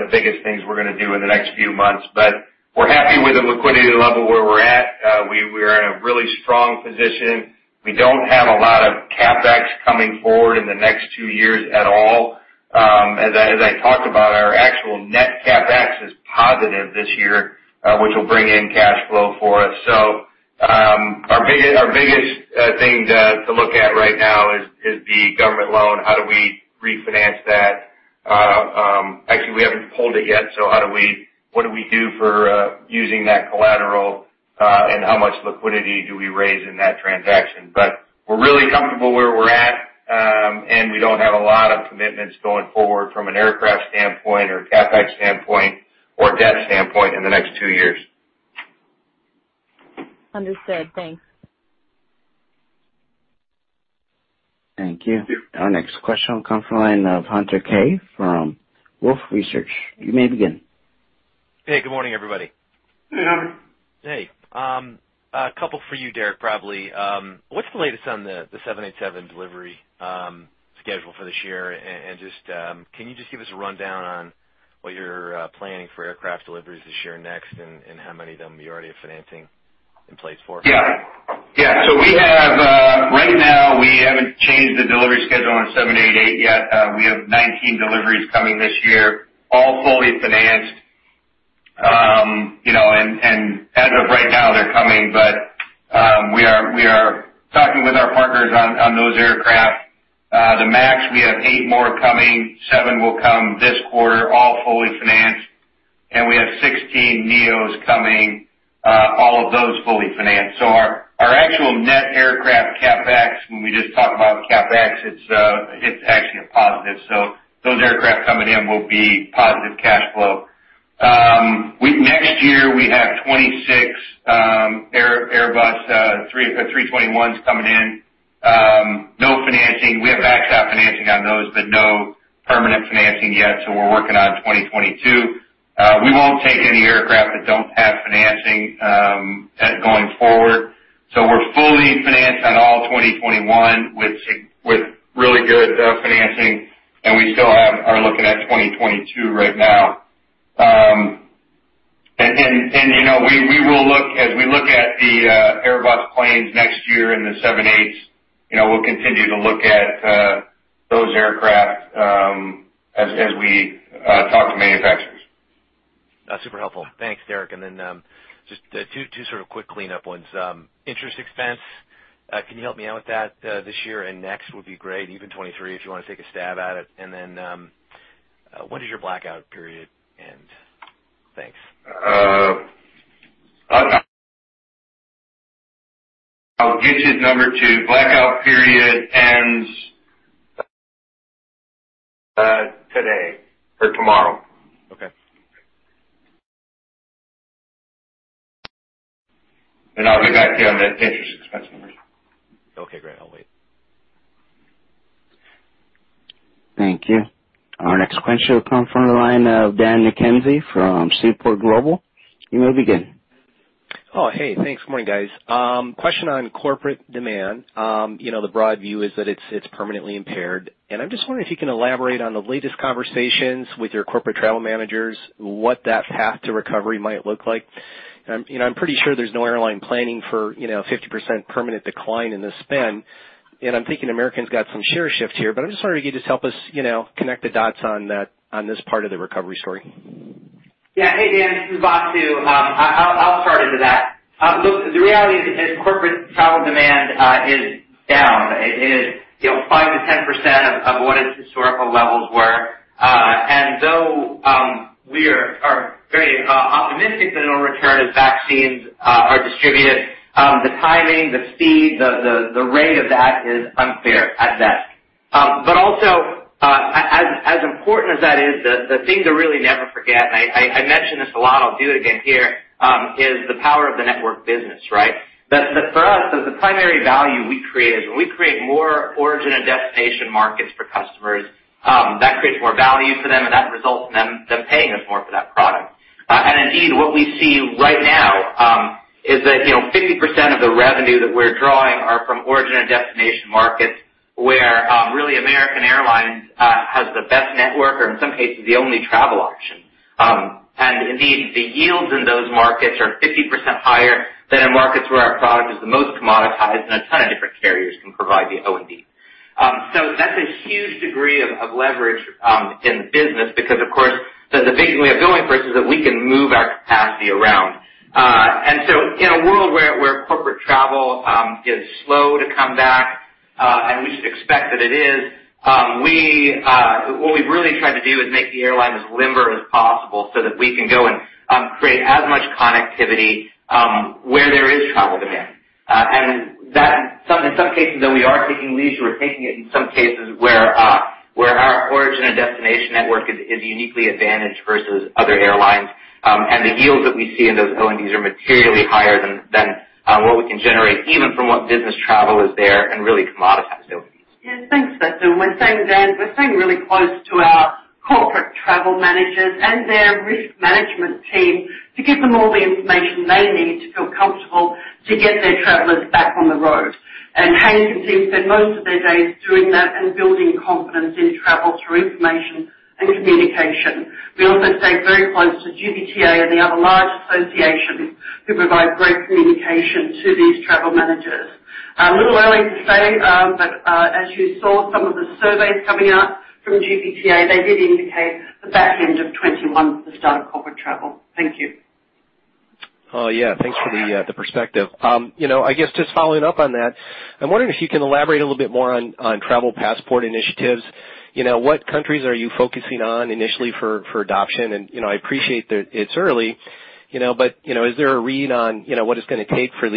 the biggest things we're going to do in the next few months. We're happy with the liquidity level where we're at. We are in a really strong position. We don't have a lot of CapEx coming forward in the next two years at all. As I talked about, our actual net CapEx is positive this year, which will bring in cash flow for us. Our biggest thing to look at right now is the government loan. How do we refinance that? Actually, we haven't pulled it yet. What do we do for using that collateral, and how much liquidity do we raise in that transaction? We're really comfortable where we're at, and we don't have a lot of commitments going forward from an aircraft standpoint or CapEx standpoint or debt standpoint in the next two years. Understood. Thanks. Thank you. Our next question will come from the line of Hunter Keay from Wolfe Research. You may begin. Hey, good morning, everybody. Hey, Hunter. Hey. A couple for you, Derek, probably. What's the latest on the 787 delivery schedule for this year? Can you just give us a rundown on what you're planning for aircraft deliveries this year and next, and how many of them you already have financing in place for? Yeah. Right now, we haven't changed the delivery schedule on 788 yet. We have 19 deliveries coming this year, all fully financed. As of right now, they're coming, but we are talking with our partners on those aircraft. The MAX, we have eight more coming. Seven will come this quarter, all fully financed. We have 16 NEOs coming, all of those fully financed. Our actual net aircraft CapEx, when we just talk about CapEx, it's actually a positive. Those aircraft coming in will be positive cash flow. Next year, we have 26 Airbus A321s coming in. No financing. We have backstop financing on those, but no permanent financing yet, so we're working on 2022. We won't take any aircraft that don't have financing going forward. We're fully financed on all 2021 with really good financing, and we still are looking at 2022 right now. As we look at the Airbus planes next year and the 78s, we'll continue to look at those aircraft as we talk to manufacturers. Super helpful. Thanks, Derek. Just two sort of quick cleanup ones. Interest expense, can you help me out with that this year and next would be great. Even 2023, if you want to take a stab at it. When does your blackout period end? Thanks. I'll get you number two. Blackout period ends today or tomorrow. Okay. I'll be back to you on the interest expense numbers. Okay, great. I'll wait. Thank you. Our next question will come from the line of Dan McKenzie from Seaport Global. You may begin. Oh, hey, thanks. Good morning, guys. Question on corporate demand. The broad view is that it's permanently impaired. I'm just wondering if you can elaborate on the latest conversations with your corporate travel managers, what that path to recovery might look like. I'm pretty sure there's no airline planning for a 50% permanent decline in the spend, and I'm thinking American's got some share shift here. I'm just wondering if you could just help us connect the dots on this part of the recovery story. Yeah. Hey, Dan, this is Vasu. I'll start into that. Look, the reality is corporate travel demand is down. It is 5%-10% of what its historical levels were. Though we are very optimistic that it'll return as vaccines are distributed, the timing, the speed, the rate of that is unclear at best. Also, as important as that is, the thing to really never forget, and I mention this a lot, I'll do it again here, is the power of the network business, right? That for us, the primary value we create is when we create more origin and destination markets for customers. That creates more value for them, and that results in them paying us more for that product. Indeed, what we see right now is that 50% of the revenue that we're drawing are from origin and destination markets where really American Airlines has the best network or in some cases, the only travel option. Indeed, the yields in those markets are 50% higher than in markets where our product is the most commoditized and a ton of different carriers can provide the O&D. That's a huge degree of leverage in the business because, of course, the big thing we have going for us is that we can move our capacity around. In a world where corporate travel is slow to come back, and we should expect that it is, what we've really tried to do is make the airline as limber as possible so that we can go and create as much connectivity where there is travel demand. In some cases, though, we are taking leisure, we're taking it in some cases where our origin and destination network is uniquely advantaged versus other airlines. The yields that we see in those O&Ds are materially higher than what we can generate, even from what business travel is there and really commoditized O&Ds. Yeah, thanks, Vasu. We're staying really close to Corporate travel managers and their risk management team to give them all the information they need to feel comfortable to get their travelers back on the road. Hank and team spend most of their days doing that and building confidence in travel through information and communication. We also stay very close to GBTA and the other large associations who provide great communication to these travel managers. A little early to say. As you saw some of the surveys coming out from GBTA, they did indicate the back end of 2021 is the start of corporate travel. Thank you. Oh, yeah. Thanks for the perspective. I guess just following up on that, I'm wondering if you can elaborate a little bit more on travel passport initiatives. What countries are you focusing on initially for adoption? I appreciate that it's early, but is there a read on what it's going to take for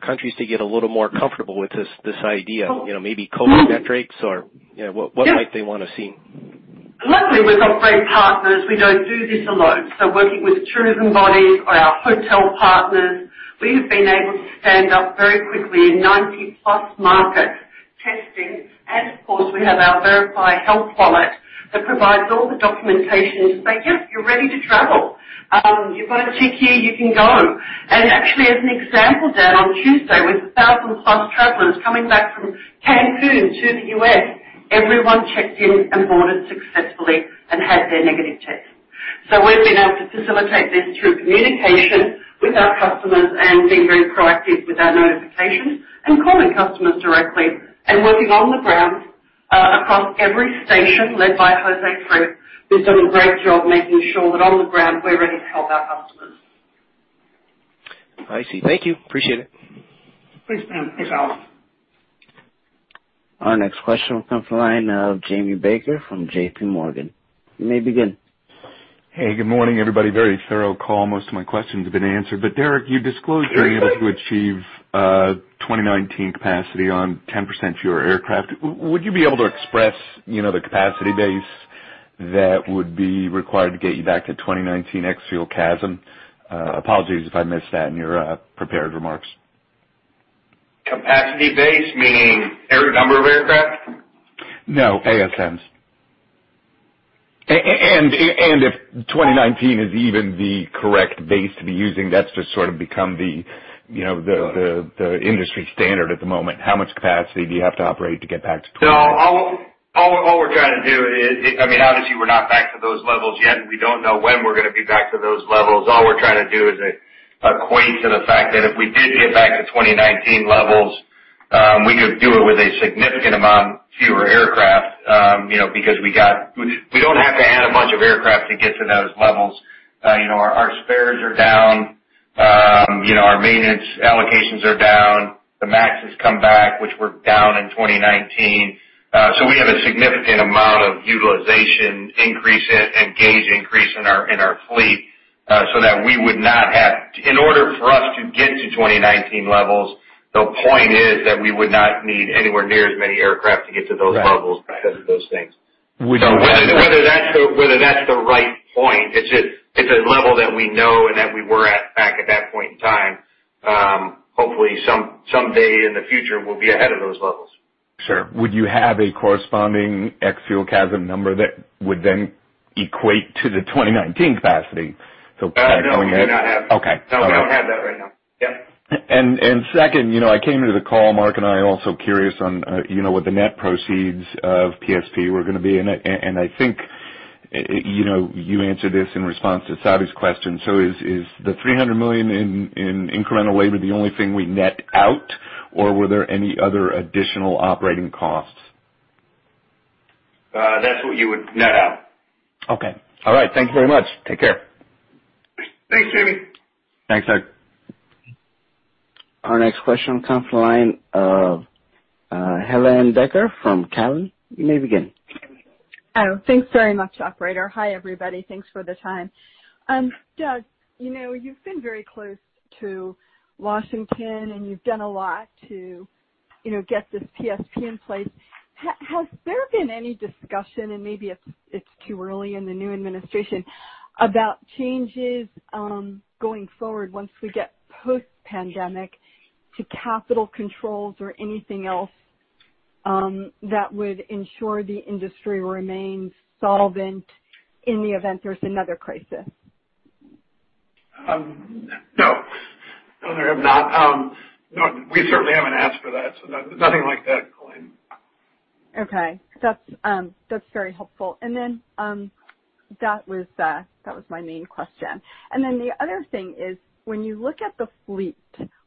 countries to get a little more comfortable with this idea? Maybe COVID metrics or what might they want to see? Working with tourism bodies or our hotel partners, we have been able to stand up very quickly in 90+ markets testing. Of course, we have our VeriFLY Health Wallet that provides all the documentation to say, "Yes, you're ready to travel. You've got a tick here, you can go." Actually, as an example, Dan, on Tuesday, with 1,000+ travelers coming back from Cancun to the U.S., everyone checked in and boarded successfully and had their negative tests. We've been able to facilitate this through communication with our customers and being very proactive with our notifications and calling customers directly and working on the ground, across every station led by Jose Cruz, who's done a great job making sure that on the ground we're ready to help our customers. I see. Thank you. Appreciate it. Thanks, Dan. Thanks, Ali. Our next question will come from the line of Jamie Baker from JPMorgan. You may begin. Hey, good morning, everybody. Very thorough call. Most of my questions have been answered. Derek, you disclosed you're able to achieve 2019 capacity on 10% fewer aircraft. Would you be able to express the capacity base that would be required to get you back to 2019 ex-fuel CASM? Apologies if I missed that in your prepared remarks. Capacity base, meaning number of aircraft? No, ASMs. If 2019 is even the correct base to be using, that's just sort of become the industry standard at the moment. How much capacity do you have to operate to get back to 2019? No, all we're trying to do obviously we're not back to those levels yet, and we don't know when we're going to be back to those levels. All we're trying to do is equate to the fact that if we did get back to 2019 levels, we could do it with a significant amount fewer aircraft, because we don't have to add a bunch of aircraft to get to those levels. Our spares are down. Our maintenance allocations are down. The MAX has come back, which were down in 2019. We have a significant amount of utilization increase and gauge increase in our fleet. In order for us to get to 2019 levels, the point is that we would not need anywhere near as many aircraft to get to those levels because of those things. Right. Whether that's the right point, it's a level that we know and that we were at back at that point in time. Hopefully, someday in the future, we'll be ahead of those levels. Sure. Would you have a corresponding ex-fuel CASM number that would then equate to the 2019 capacity? No, we do not have that. Okay. All right. No, we don't have that right now. Yep. Second, I came into the call, Mark and I are also curious on what the net proceeds of PSP were going to be, and I think you answered this in response to Savi's question. Is the $300 million in incremental labor the only thing we net out, or were there any other additional operating costs? That's what you would net out. Okay. All right. Thank you very much. Take care. Thanks, Jamie. Thanks, Jamie. Our next question comes from the line of Helane Becker from Cowen. You may begin. Oh, thanks very much, operator. Hi, everybody. Thanks for the time. Doug, you've been very close to Washington, and you've done a lot to get this PSP in place. Has there been any discussion, and maybe it's too early in the new administration, about changes going forward once we get post-pandemic to capital controls or anything else that would ensure the industry remains solvent in the event there's another crisis? No. No, there have not. We certainly haven't asked for that. Nothing like that going. Okay. That's very helpful. That was my main question. The other thing is when you look at the fleet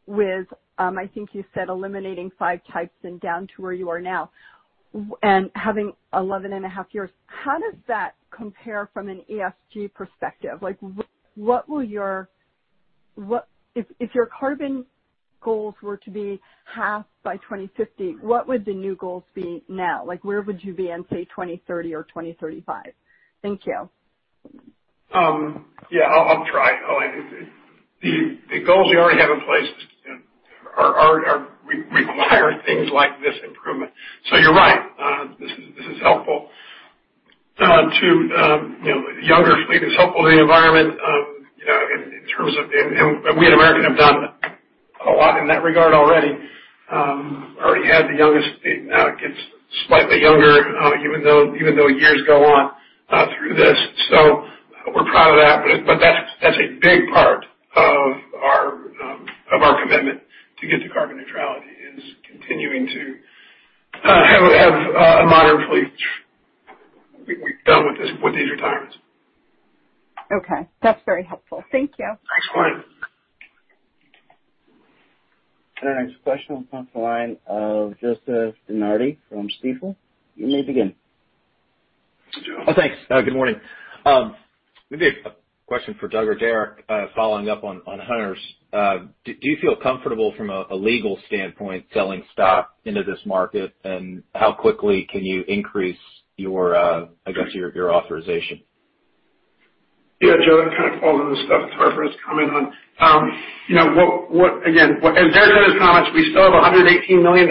with, I think you said eliminating five types and down to where you are now and having 11.5 years, how does that compare from an ESG perspective? If your carbon goals were to be halved by 2050, what would the new goals be now? Where would you be in, say, 2030 or 2035? Thank you. Yeah, I'll try. The goals we already have in place require things like this improvement. You're right. This is helpful. A younger fleet is helpful to the environment. We at American have done A lot in that regard already. Already had the youngest, now it gets slightly younger, even though years go on through this. We're proud of that, but that's a big part of our commitment to get to carbon neutrality, is continuing to have a modern fleet. We're done with these retirements. Okay. That's very helpful. Thank you. Thanks, Helane. Our next question will come from the line of Joseph DeNardi from Stifel. You may begin. Oh, thanks. Good morning. Maybe a question for Doug or Derek, following up on Hunter's. Do you feel comfortable from a legal standpoint selling stock into this market? How quickly can you increase your authorization? Yeah, Joe, that kind of falls under the safe harbor comments. As Derek said his comments, we still have $118 million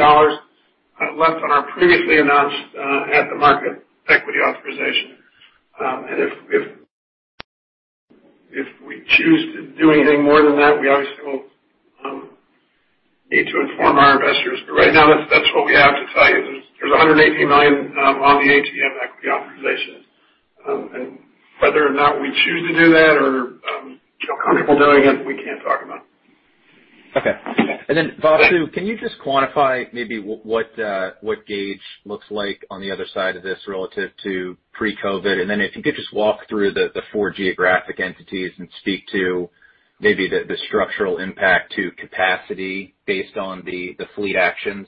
left on our previously announced at-the-market equity authorization. If we choose to do anything more than that, we obviously will need to inform our investors. Right now, that's what we have to tell you. There's $118 million on the ATM equity authorization. Whether or not we choose to do that or feel comfortable doing it, we can't talk about. Okay. Vasu, can you just quantify maybe what gauge looks like on the other side of this relative to pre-COVID? If you could just walk through the four geographic entities and speak to maybe the structural impact to capacity based on the fleet actions,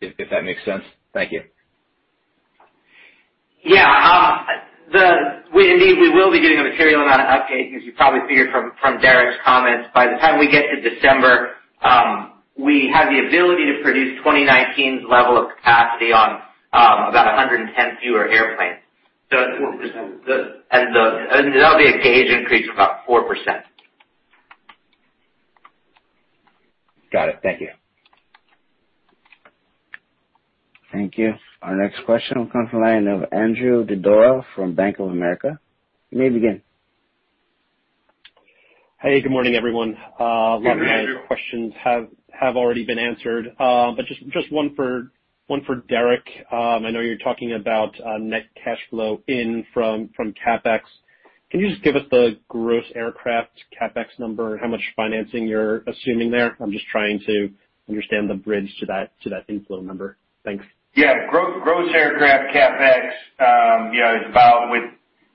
if that makes sense. Thank you. Yeah. Indeed, we will be getting a material amount of uptake, as you probably figured from Derek's comments. By the time we get to December, we have the ability to produce 2019's level of capacity on about 110 fewer airplanes. 4%. That'll be a gauge increase of about 4%. Got it. Thank you. Thank you. Our next question will come from the line of Andrew Didora from Bank of America. You may begin. Hey, good morning, everyone. Good morning, Andrew. A lot of my questions have already been answered. Just one for Derek. I know you're talking about net cash flow in from CapEx. Can you just give us the gross aircraft CapEx number and how much financing you're assuming there? I'm just trying to understand the bridge to that inflow number. Thanks. Gross aircraft CapEx is about with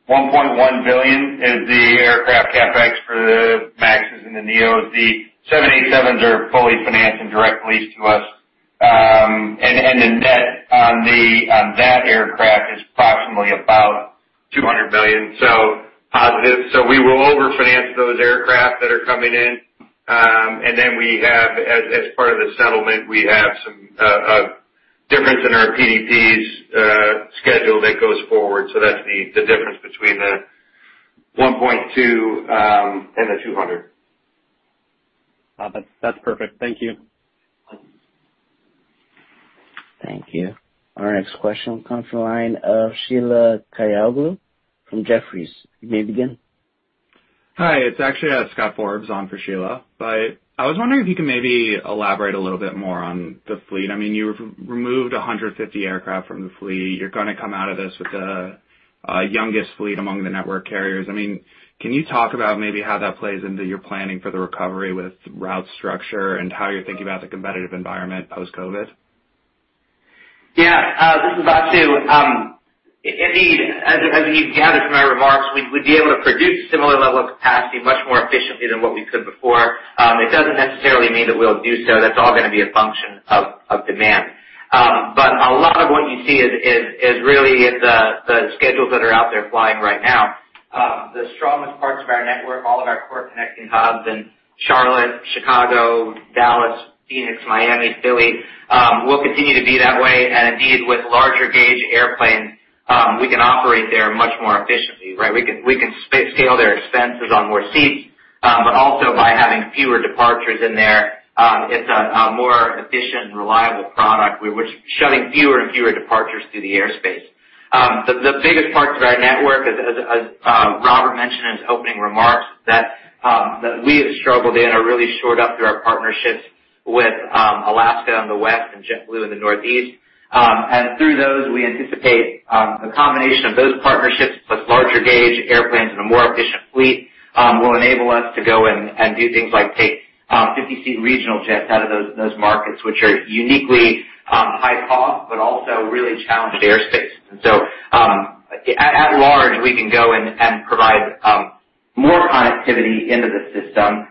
$1.1 billion is the aircraft CapEx for the MAXs and the NEOs. The 787s are fully financed and direct leased to us. The net on that aircraft is approximately about $200 million. Positive. We will overfinance those aircraft that are coming in. Then as part of the settlement, we have some difference in our PDPs schedule that goes forward. That's the difference between the $1.2 billion and the $200 million. That's perfect. Thank you. Thank you. Our next question comes from the line of Sheila Kahyaoglu from Jefferies. You may begin. Hi, it's actually Scott Forbes on for Sheila. I was wondering if you could maybe elaborate a little bit more on the fleet. You've removed 150 aircraft from the fleet. You're going to come out of this with the youngest fleet among the network carriers. Can you talk about maybe how that plays into your planning for the recovery with route structure and how you're thinking about the competitive environment post-COVID? Yeah. This is Vasu. Indeed, as you've gathered from my remarks, we'd be able to produce similar level of capacity much more efficiently than what we could before. It doesn't necessarily mean that we'll do so. That's all going to be a function of demand. A lot of what you see is really in the schedules that are out there flying right now. The strongest parts of our network, all of our core connecting hubs in Charlotte, Chicago, Dallas, Phoenix, Miami, Philly, will continue to be that way. Indeed, with larger gauge airplanes, we can operate there much more efficiently. We can scale their expenses on more seats. Also by having fewer departures in there, it's a more efficient and reliable product. We're shutting fewer and fewer departures through the airspace. The biggest parts of our network, as Robert mentioned in his opening remarks, that we have struggled in are really shored up through our partnerships with Alaska on the West and JetBlue in the Northeast. Through those, we anticipate a combination of those partnerships plus larger gauge airplanes and a more efficient fleet will enable us to go and do things like take 50-seat regional jets out of those markets, which are uniquely high cost, but also really challenged airspace. At large, we can go and provide more connectivity into the system,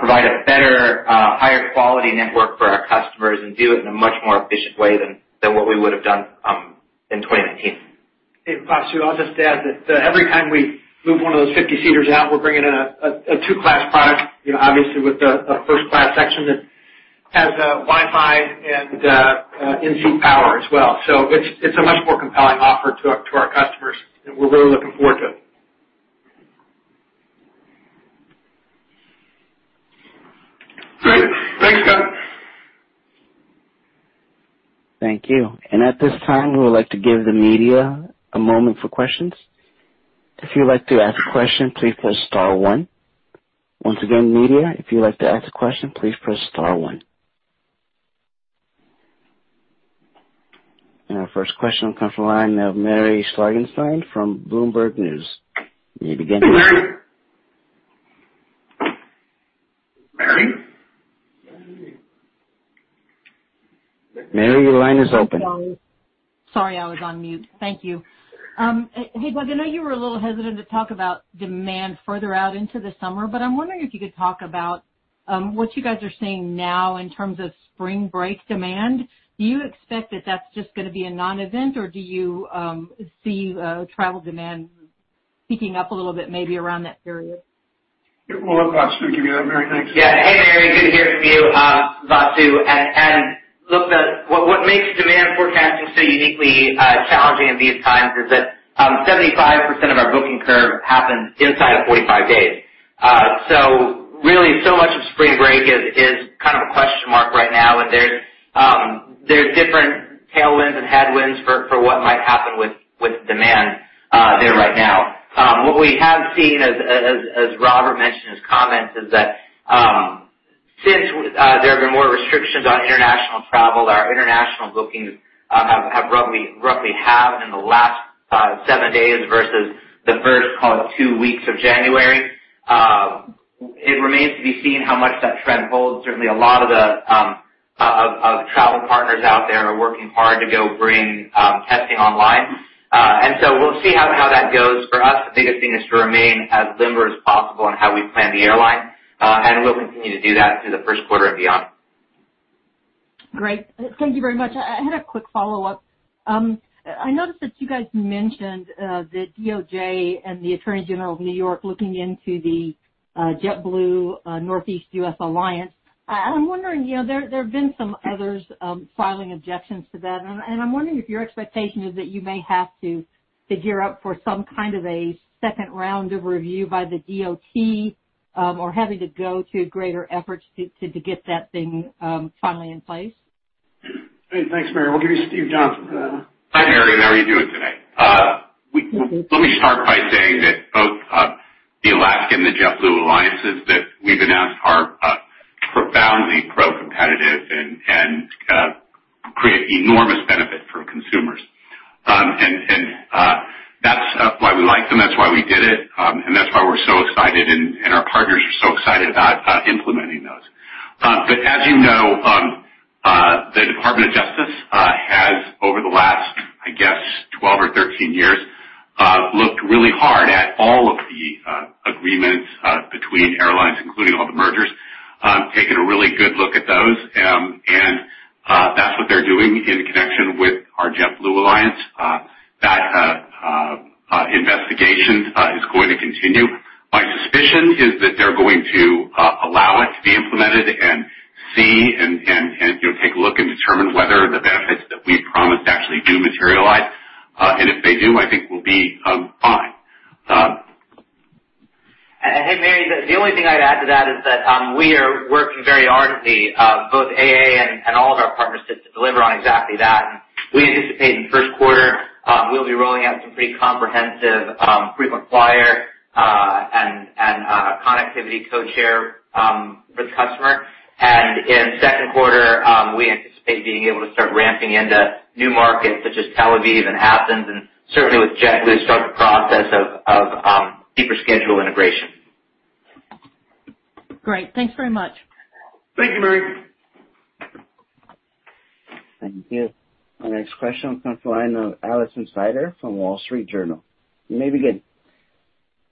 provide a better, higher quality network for our customers, and do it in a much more efficient way than what we would have done in 2019. Hey, Vasu, I'll just add that every time we move one of those 50-seaters out, we're bringing in a two-class product, obviously with a first class section that has WiFi and in-seat power as well. It's a much more compelling offer to our customers, and we're really looking forward to it. Great. Thanks, Scott Thank you. At this time, we would like to give the media a moment for questions. If you would like to ask a question, please press star one. Once again, media, if you'd like to ask a question, please press star one. Our first question will come from the line of Mary Schlangenstein from Bloomberg News. You may begin. Mary? Mary? Mary, your line is open. Sorry, I was on mute. Thank you. Hey, Vasu, I know you were a little hesitant to talk about demand further out into the summer, but I'm wondering if you could talk about what you guys are seeing now in terms of spring break demand. Do you expect that that's just going to be a non-event, or do you see travel demand peaking up a little bit, maybe around that period? Yeah. We'll let Vasu give you that, Mary. Thanks. Yeah. Hey, Mary, good to hear from you. I'm Vasu. Look, what makes demand forecasting so uniquely challenging in these times is that 75% of our booking curve happens inside of 45 days. Really, so much of spring break is kind of a question mark right now. There's different tailwinds and headwinds for what might happen with demand there right now. What we have seen, as Robert mentioned in his comments, is that since there have been more restrictions on international travel, our international bookings have roughly halved in the last seven days versus the first call it two weeks of January. It remains to be seen how much that trend holds. Certainly, a lot of travel partners out there are working hard to go bring testing online. We'll see how that goes. For us, the biggest thing is to remain as limber as possible in how we plan the airline. We'll continue to do that through the first quarter and beyond. Great. Thank you very much. I had a quick follow-up. I noticed that you guys mentioned the DOJ and the Attorney General of New York looking into the JetBlue Northeast U.S. alliance. There have been some others filing objections to that. I'm wondering if your expectation is that you may have to figure out for some kind of a second round of review by the DOT, or having to go to greater efforts to get that thing finally in place. Hey, thanks, Mary. We'll give you Steve Johnson for that one. Hi, Mary. How are you doing today? I'm doing well. Let me start by saying that both the Alaska and the JetBlue alliances that we've announced are profoundly pro-competitive and create enormous benefit for consumers. That's why we like them, that's why we did it, and that's why we're so excited and our partners are so excited about implementing those. As you know, the Department of Justice has, over the last, I guess 12 or 13 years, looked really hard at all of the agreements between airlines, including all the mergers, taken a really good look at those, and that's what they're doing in connection with our JetBlue alliance. That investigation is going to continue. My suspicion is that they're going to allow it to be implemented and see and take a look and determine whether the benefits that we promised actually do materialize. If they do, I think we'll be fine. Hey, Mary, the only thing I'd add to that is that we are working very ardently, both AA and all of our partners, to deliver on exactly that. We anticipate in the first quarter, we'll be rolling out some pretty comprehensive frequent flyer and connectivity codeshare with customer. In the second quarter, we anticipate being able to start ramping into new markets such as Tel Aviv and Athens, and certainly with JetBlue, start the process of deeper schedule integration. Great. Thanks very much. Thank you, Mary. Thank you. Our next question comes from the line of Alison Sider from Wall Street Journal. You may begin.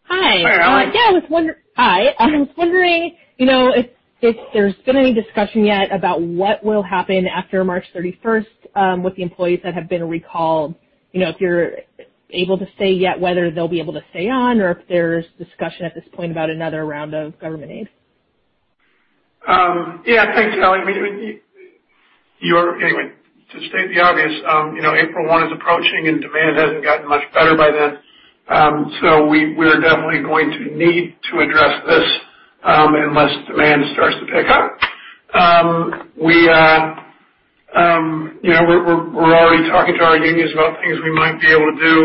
Hi. Hi, Alison. Hi. I was wondering if there's been any discussion yet about what will happen after March 31st with the employees that have been recalled, if you're able to say yet whether they'll be able to stay on or if there's discussion at this point about another round of government aid? Thanks, Alison. To state the obvious, April 1 is approaching, and demand hasn't gotten much better by then. We are definitely going to need to address this unless demand starts to pick up. We're already talking to our unions about things we might be able to do.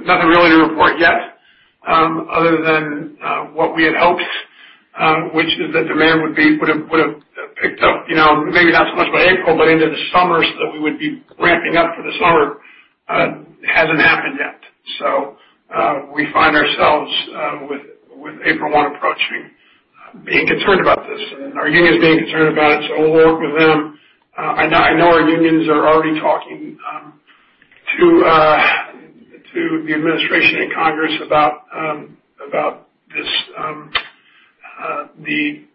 Nothing really to report yet other than what we had hoped, which is that demand would've picked up, maybe not so much by April, but into the summer, so that we would be ramping up for the summer. It hasn't happened yet. We find ourselves, with April 1 approaching, being concerned about this and our unions being concerned about it, so we'll work with them. I know our unions are already talking to the administration and Congress about this, with the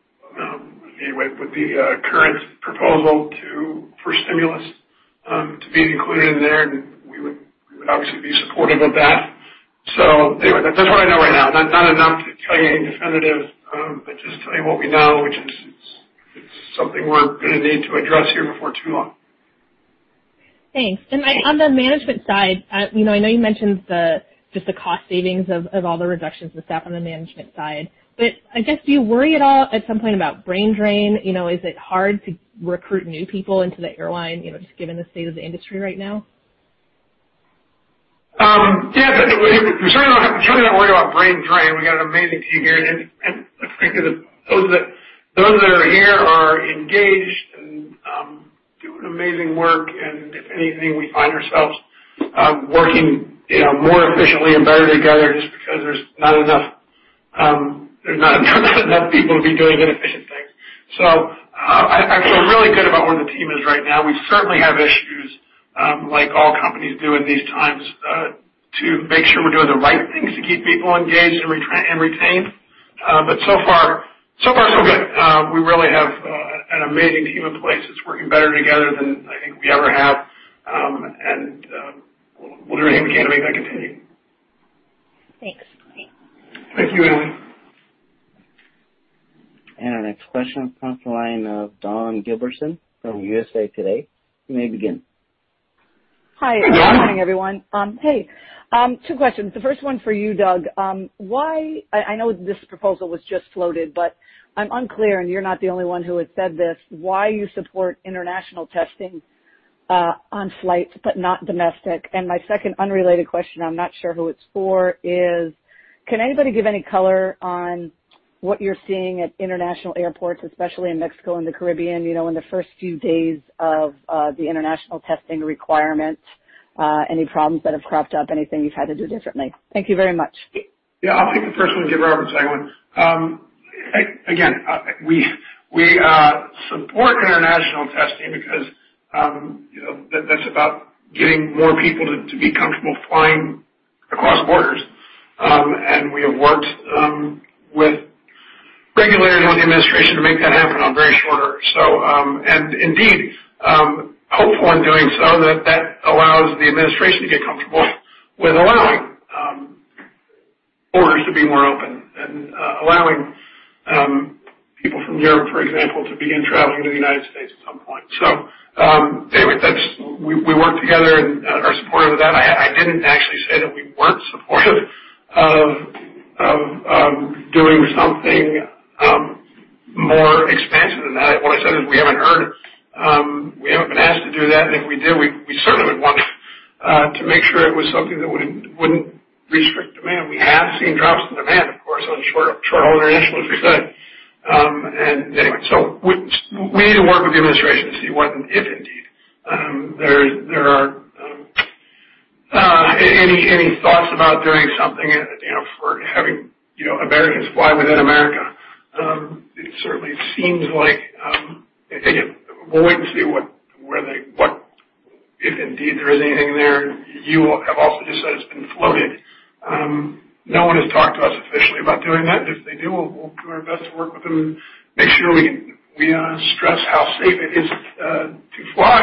current proposal for stimulus to be included in there, and we would obviously be supportive of that. Anyway, that's what I know right now. Not enough to tell you anything definitive, but just tell you what we know, which is it's something we're going to need to address here before too long. Thanks. On the management side, I know you mentioned just the cost savings of all the reductions of staff on the management side. I guess, do you worry at all at some point about brain drain? Is it hard to recruit new people into the airline, just given the state of the industry right now? Yes. We certainly don't worry about brain drain. We got an amazing team here, and frankly, those that are here are engaged and doing amazing work. If anything, we find ourselves working more efficiently and better together just because there's not enough people to be doing inefficient things. I feel really good about where the team is right now. We certainly have issues, like all companies do in these times, to make sure we're doing the right things to keep people engaged and retained. So far, so good. We really have an amazing team in place that's working better together than I think we ever have. We'll do everything we can to make that continue. Thanks. Thank you, Ali. Our next question comes from the line of Dawn Gilbertson from USA Today. You may begin. Hi. Good morning, everyone. Hey, two questions. The first one for you, Doug. I know this proposal was just floated, but I'm unclear, and you're not the only one who has said this, why you support international testing on flights, but not domestic. My second unrelated question, I'm not sure who it's for, is can anybody give any color on what you're seeing at international airports, especially in Mexico and the Caribbean, in the first few days of the international testing requirements? Any problems that have cropped up? Anything you've had to do differently? Thank you very much. Yeah, I'll take the first one and give Rob the second one. Again, we support international testing because that's about getting more people to be comfortable flying across borders. We have worked with regulators and the administration to make that happen on very short order. Indeed, hopeful in doing so that that allows the administration to get comfortable with allowing borders to be more open and allowing people from Europe, for example, to begin traveling to the United States at some point. We work together and are supportive of that. I didn't actually say that we weren't supportive of doing something more expansive than that. What I said is we haven't heard, we haven't been asked to do that. If we did, we certainly would want to make sure it was something that wouldn't restrict demand. We have seen drops in demand, of course, on short-haul international, as you said. We need to work with the administration to see what, if indeed, there are any thoughts about doing something for having Americans fly within America. It certainly seems like, again, we'll wait and see if indeed there is anything there. You have also just said it's been floated. No one has talked to us officially about doing that. If they do, we'll do our best to work with them and make sure we stress how safe it is to fly,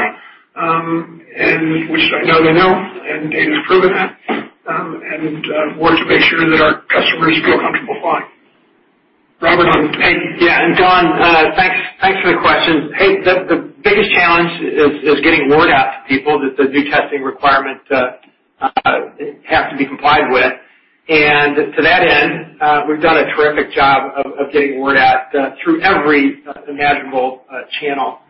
which I know they know, and data's proven that, and work to make sure that our customers feel comfortable flying. Rob on. Hey. Yeah, Dawn, thanks for the questions. The biggest challenge is getting word out to people that the new testing requirement has to be complied with. To that end, we've done a terrific job of getting word out through every imaginable channel.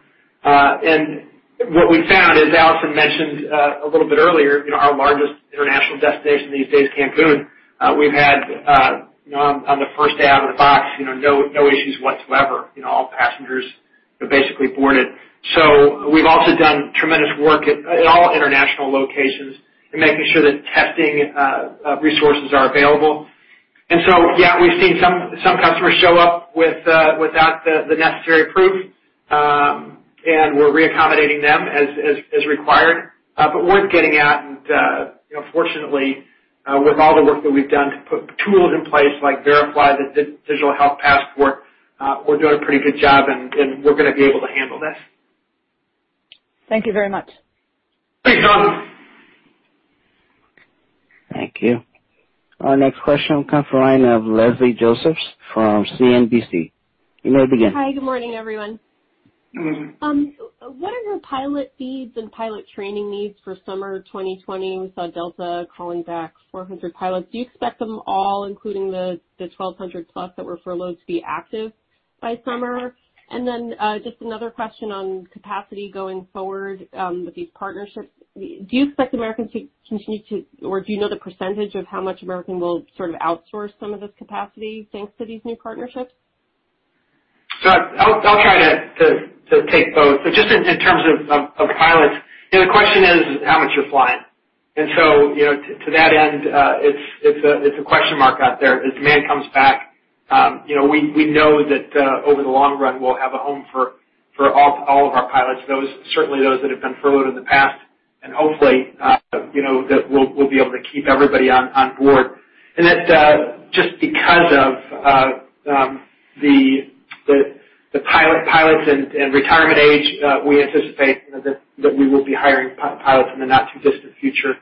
What we found, as Alison mentioned a little bit earlier, our largest international destination these days, Cancun, we've had, on the first day out of the box, no issues whatsoever. All passengers basically boarded. We've also done tremendous work at all international locations in making sure that testing resources are available. Yeah, we've seen some customers show up without the necessary proof, and we're reaccommodating them as required. Word's getting out, and fortunately, with all the work that we've done to put tools in place, like VeriFLY the digital health passport, we're doing a pretty good job, and we're going to be able to handle this. Thank you very much. Thanks, Dawn. Thank you. Our next question comes from the line of Leslie Josephs from CNBC. You may begin. Hi. Good morning, everyone. Good morning. What are your pilot needs and pilot training needs for summer 2020? We saw Delta calling back 400 pilots. Do you expect them all, including the 1,200+ that were furloughed, to be active by summer? Just another question on capacity going forward with these partnerships. Do you expect American to continue to, or do you know the percentage of how much American will sort of outsource some of this capacity thanks to these new partnerships? I'll try to take both. Just in terms of pilots, the question is how much you're flying. To that end, it's a question mark out there as demand comes back. We know that over the long run, we'll have a home for all of our pilots, certainly those that have been furloughed in the past. Hopefully, that we'll be able to keep everybody on board. That just because of the pilots and retirement age, we anticipate that we will be hiring pilots in the not-too-distant future.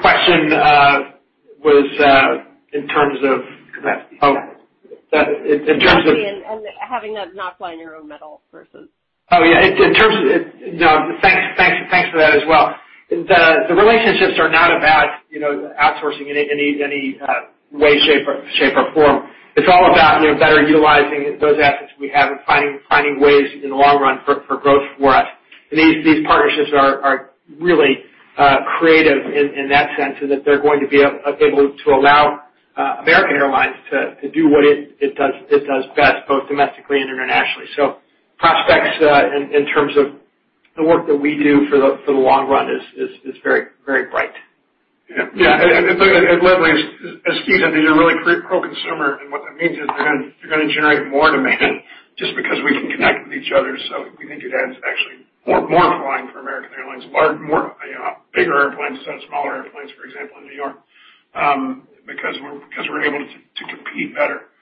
Question was in terms of capacity. Capacity having that not fly in your own metal versus- Oh, yeah. Thanks for that as well. The relationships are not about outsourcing in any way, shape, or form. It's all about better utilizing those assets we have and finding ways in the long run for growth for us. These partnerships are really creative in that sense, in that they're going to be able to allow American Airlines to do what it does best, both domestically and internationally. Prospects in terms of the work that we do for the long run is very bright. Yeah, and Leslie, these are really pro-consumer, and what that means is they're going to generate more demand just because we can connect with each other. We think it adds actually more flying for American Airlines, bigger airplanes instead of smaller airplanes, for example, in New York, because we're able to compete better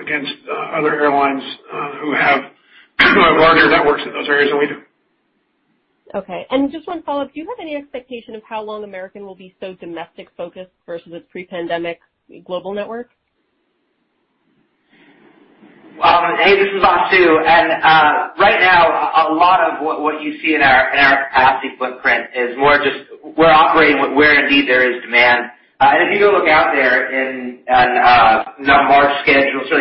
against other airlines who have larger networks in those areas than we do. Okay. Just one follow-up. Do you have any expectation of how long American will be so domestic-focused versus its pre-pandemic global network? Hey, this is Vasu. Right now, a lot of what you see in our capacity footprint is more just we're operating where indeed there is demand. If you go look out there in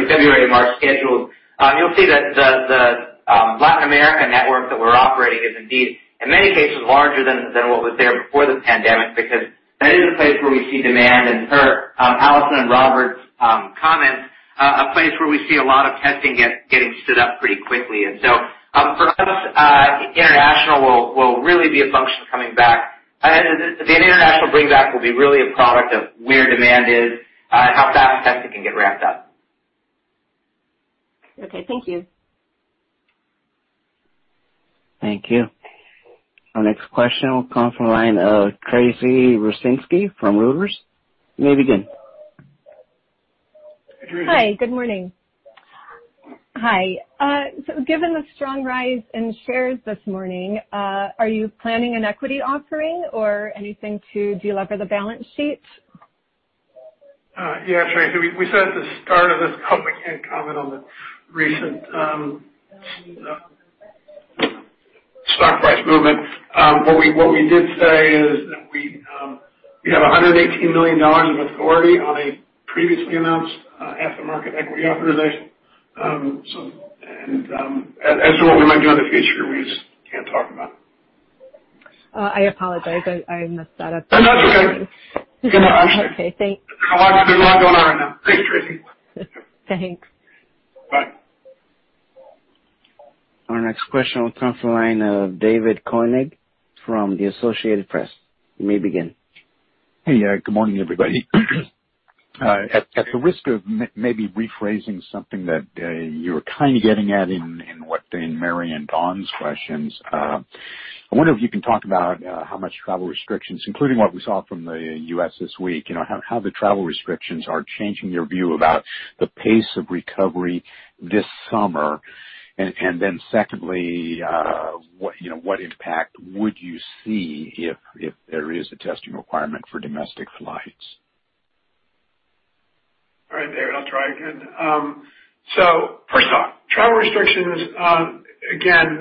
February, March schedules, you'll see that the Latin American network that we're operating is indeed, in many cases, larger than what was there before this pandemic because that is a place where we see demand and per Alison and Robert's comments, a place where we see a lot of testing getting stood up pretty quickly. For us, international will really be a function of coming back. The international bring back will be really a product of where demand is and how fast testing can get ramped up. Okay. Thank you. Thank you. Our next question will come from the line of Tracy Rucinski from Reuters. You may begin. Hi, good morning. Hi. Given the strong rise in shares this morning, are you planning an equity offering or anything to delever the balance sheet? Yeah, Tracy, we said at the start of this call we can't comment on the recent stock price movement. What we did say is that we have $118 million of authority on a previously announced at-the-market equity authorization. What we might do in the future, we just can't talk about. Oh, I apologize. I messed that up. That's okay. Okay, thanks. There's a lot going on right now. Thanks, Tracy. Thanks. Bye. Our next question will come from the line of David Koenig from the Associated Press. You may begin. Hey. Good morning, everybody. At the risk of maybe rephrasing something that you were kind of getting at in what Mary and Dawn's questions, I wonder if you can talk about how much travel restrictions, including what we saw from the U.S. this week, how the travel restrictions are changing your view about the pace of recovery this summer, and then secondly, what impact would you see if there is a testing requirement for domestic flights? David, I'll try again. First off, travel restrictions, again,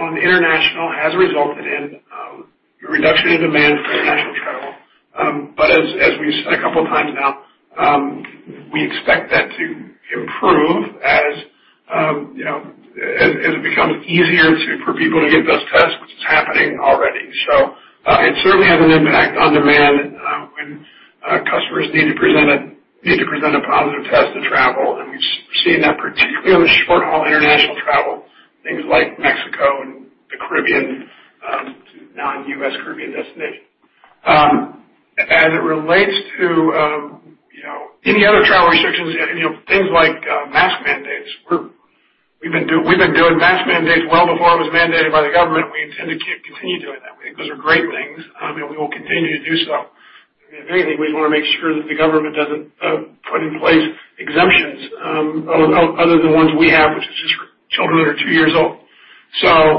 on international has resulted in a reduction in demand for international travel. As we've said a couple of times now, we expect that to improve as it becomes easier for people to get those tests, which is happening already. It certainly has an impact on demand when customers need to present a positive test to travel, and we've seen that particularly short-haul international travel, things like Mexico and the Caribbean to non-U.S. Caribbean destinations. As it relates to any other travel restrictions, things like mask mandates, we've been doing mask mandates well before it was mandated by the government. We intend to continue doing that. We think those are great things, and we will continue to do so. If anything, we just want to make sure that the government doesn't put in place exemptions other than ones we have, which is just for children under two years old.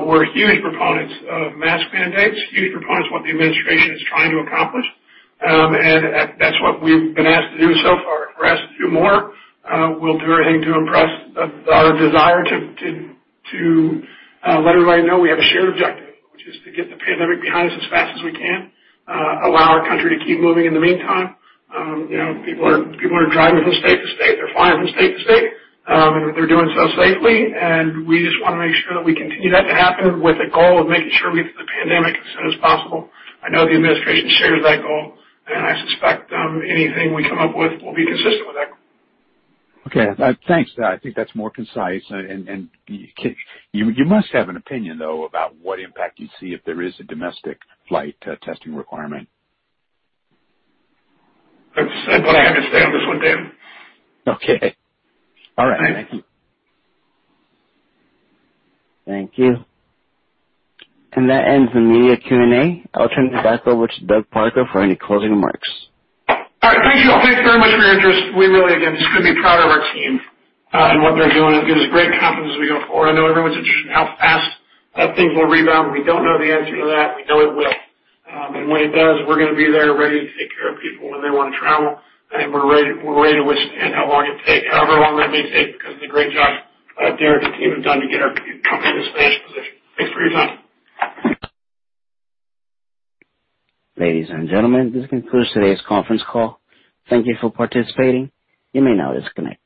We're huge proponents of mask mandates, huge proponents of what the Administration is trying to accomplish, and that's what we've been asked to do so far. If we're asked to do more, we'll do everything to express our desire to let everybody know we have a shared objective, which is to get the pandemic behind us as fast as we can, allow our country to keep moving in the meantime. People are driving from state to state. They're flying from state to state, and they're doing so safely, and we just want to make sure that we continue that to happen with a goal of making sure we end the pandemic as soon as possible. I know the administration shares that goal, and I suspect anything we come up with will be consistent with that. Okay. Thanks. I think that's more concise. You must have an opinion, though, about what impact you'd see if there is a domestic flight testing requirement. I'm going to have to stay off this one, David. Okay. All right. Thanks. Thank you. That ends the media Q&A. I'll turn it back over to Doug Parker for any closing remarks. All right. Thank you, all. Thanks very much for your interest. We really, again, just couldn't be prouder of our team and what they're doing. It gives us great confidence as we go forward. I know everyone's interested in how fast things will rebound. We don't know the answer to that. We know it will. When it does, we're going to be there ready to take care of people when they want to travel, and we're ready to withstand how long it takes, however long that may take, because of the great job Derek and the team have done to get our company in this financial position. Thanks for your time. Ladies and gentlemen, this concludes today's conference call. Thank you for participating. You may now disconnect.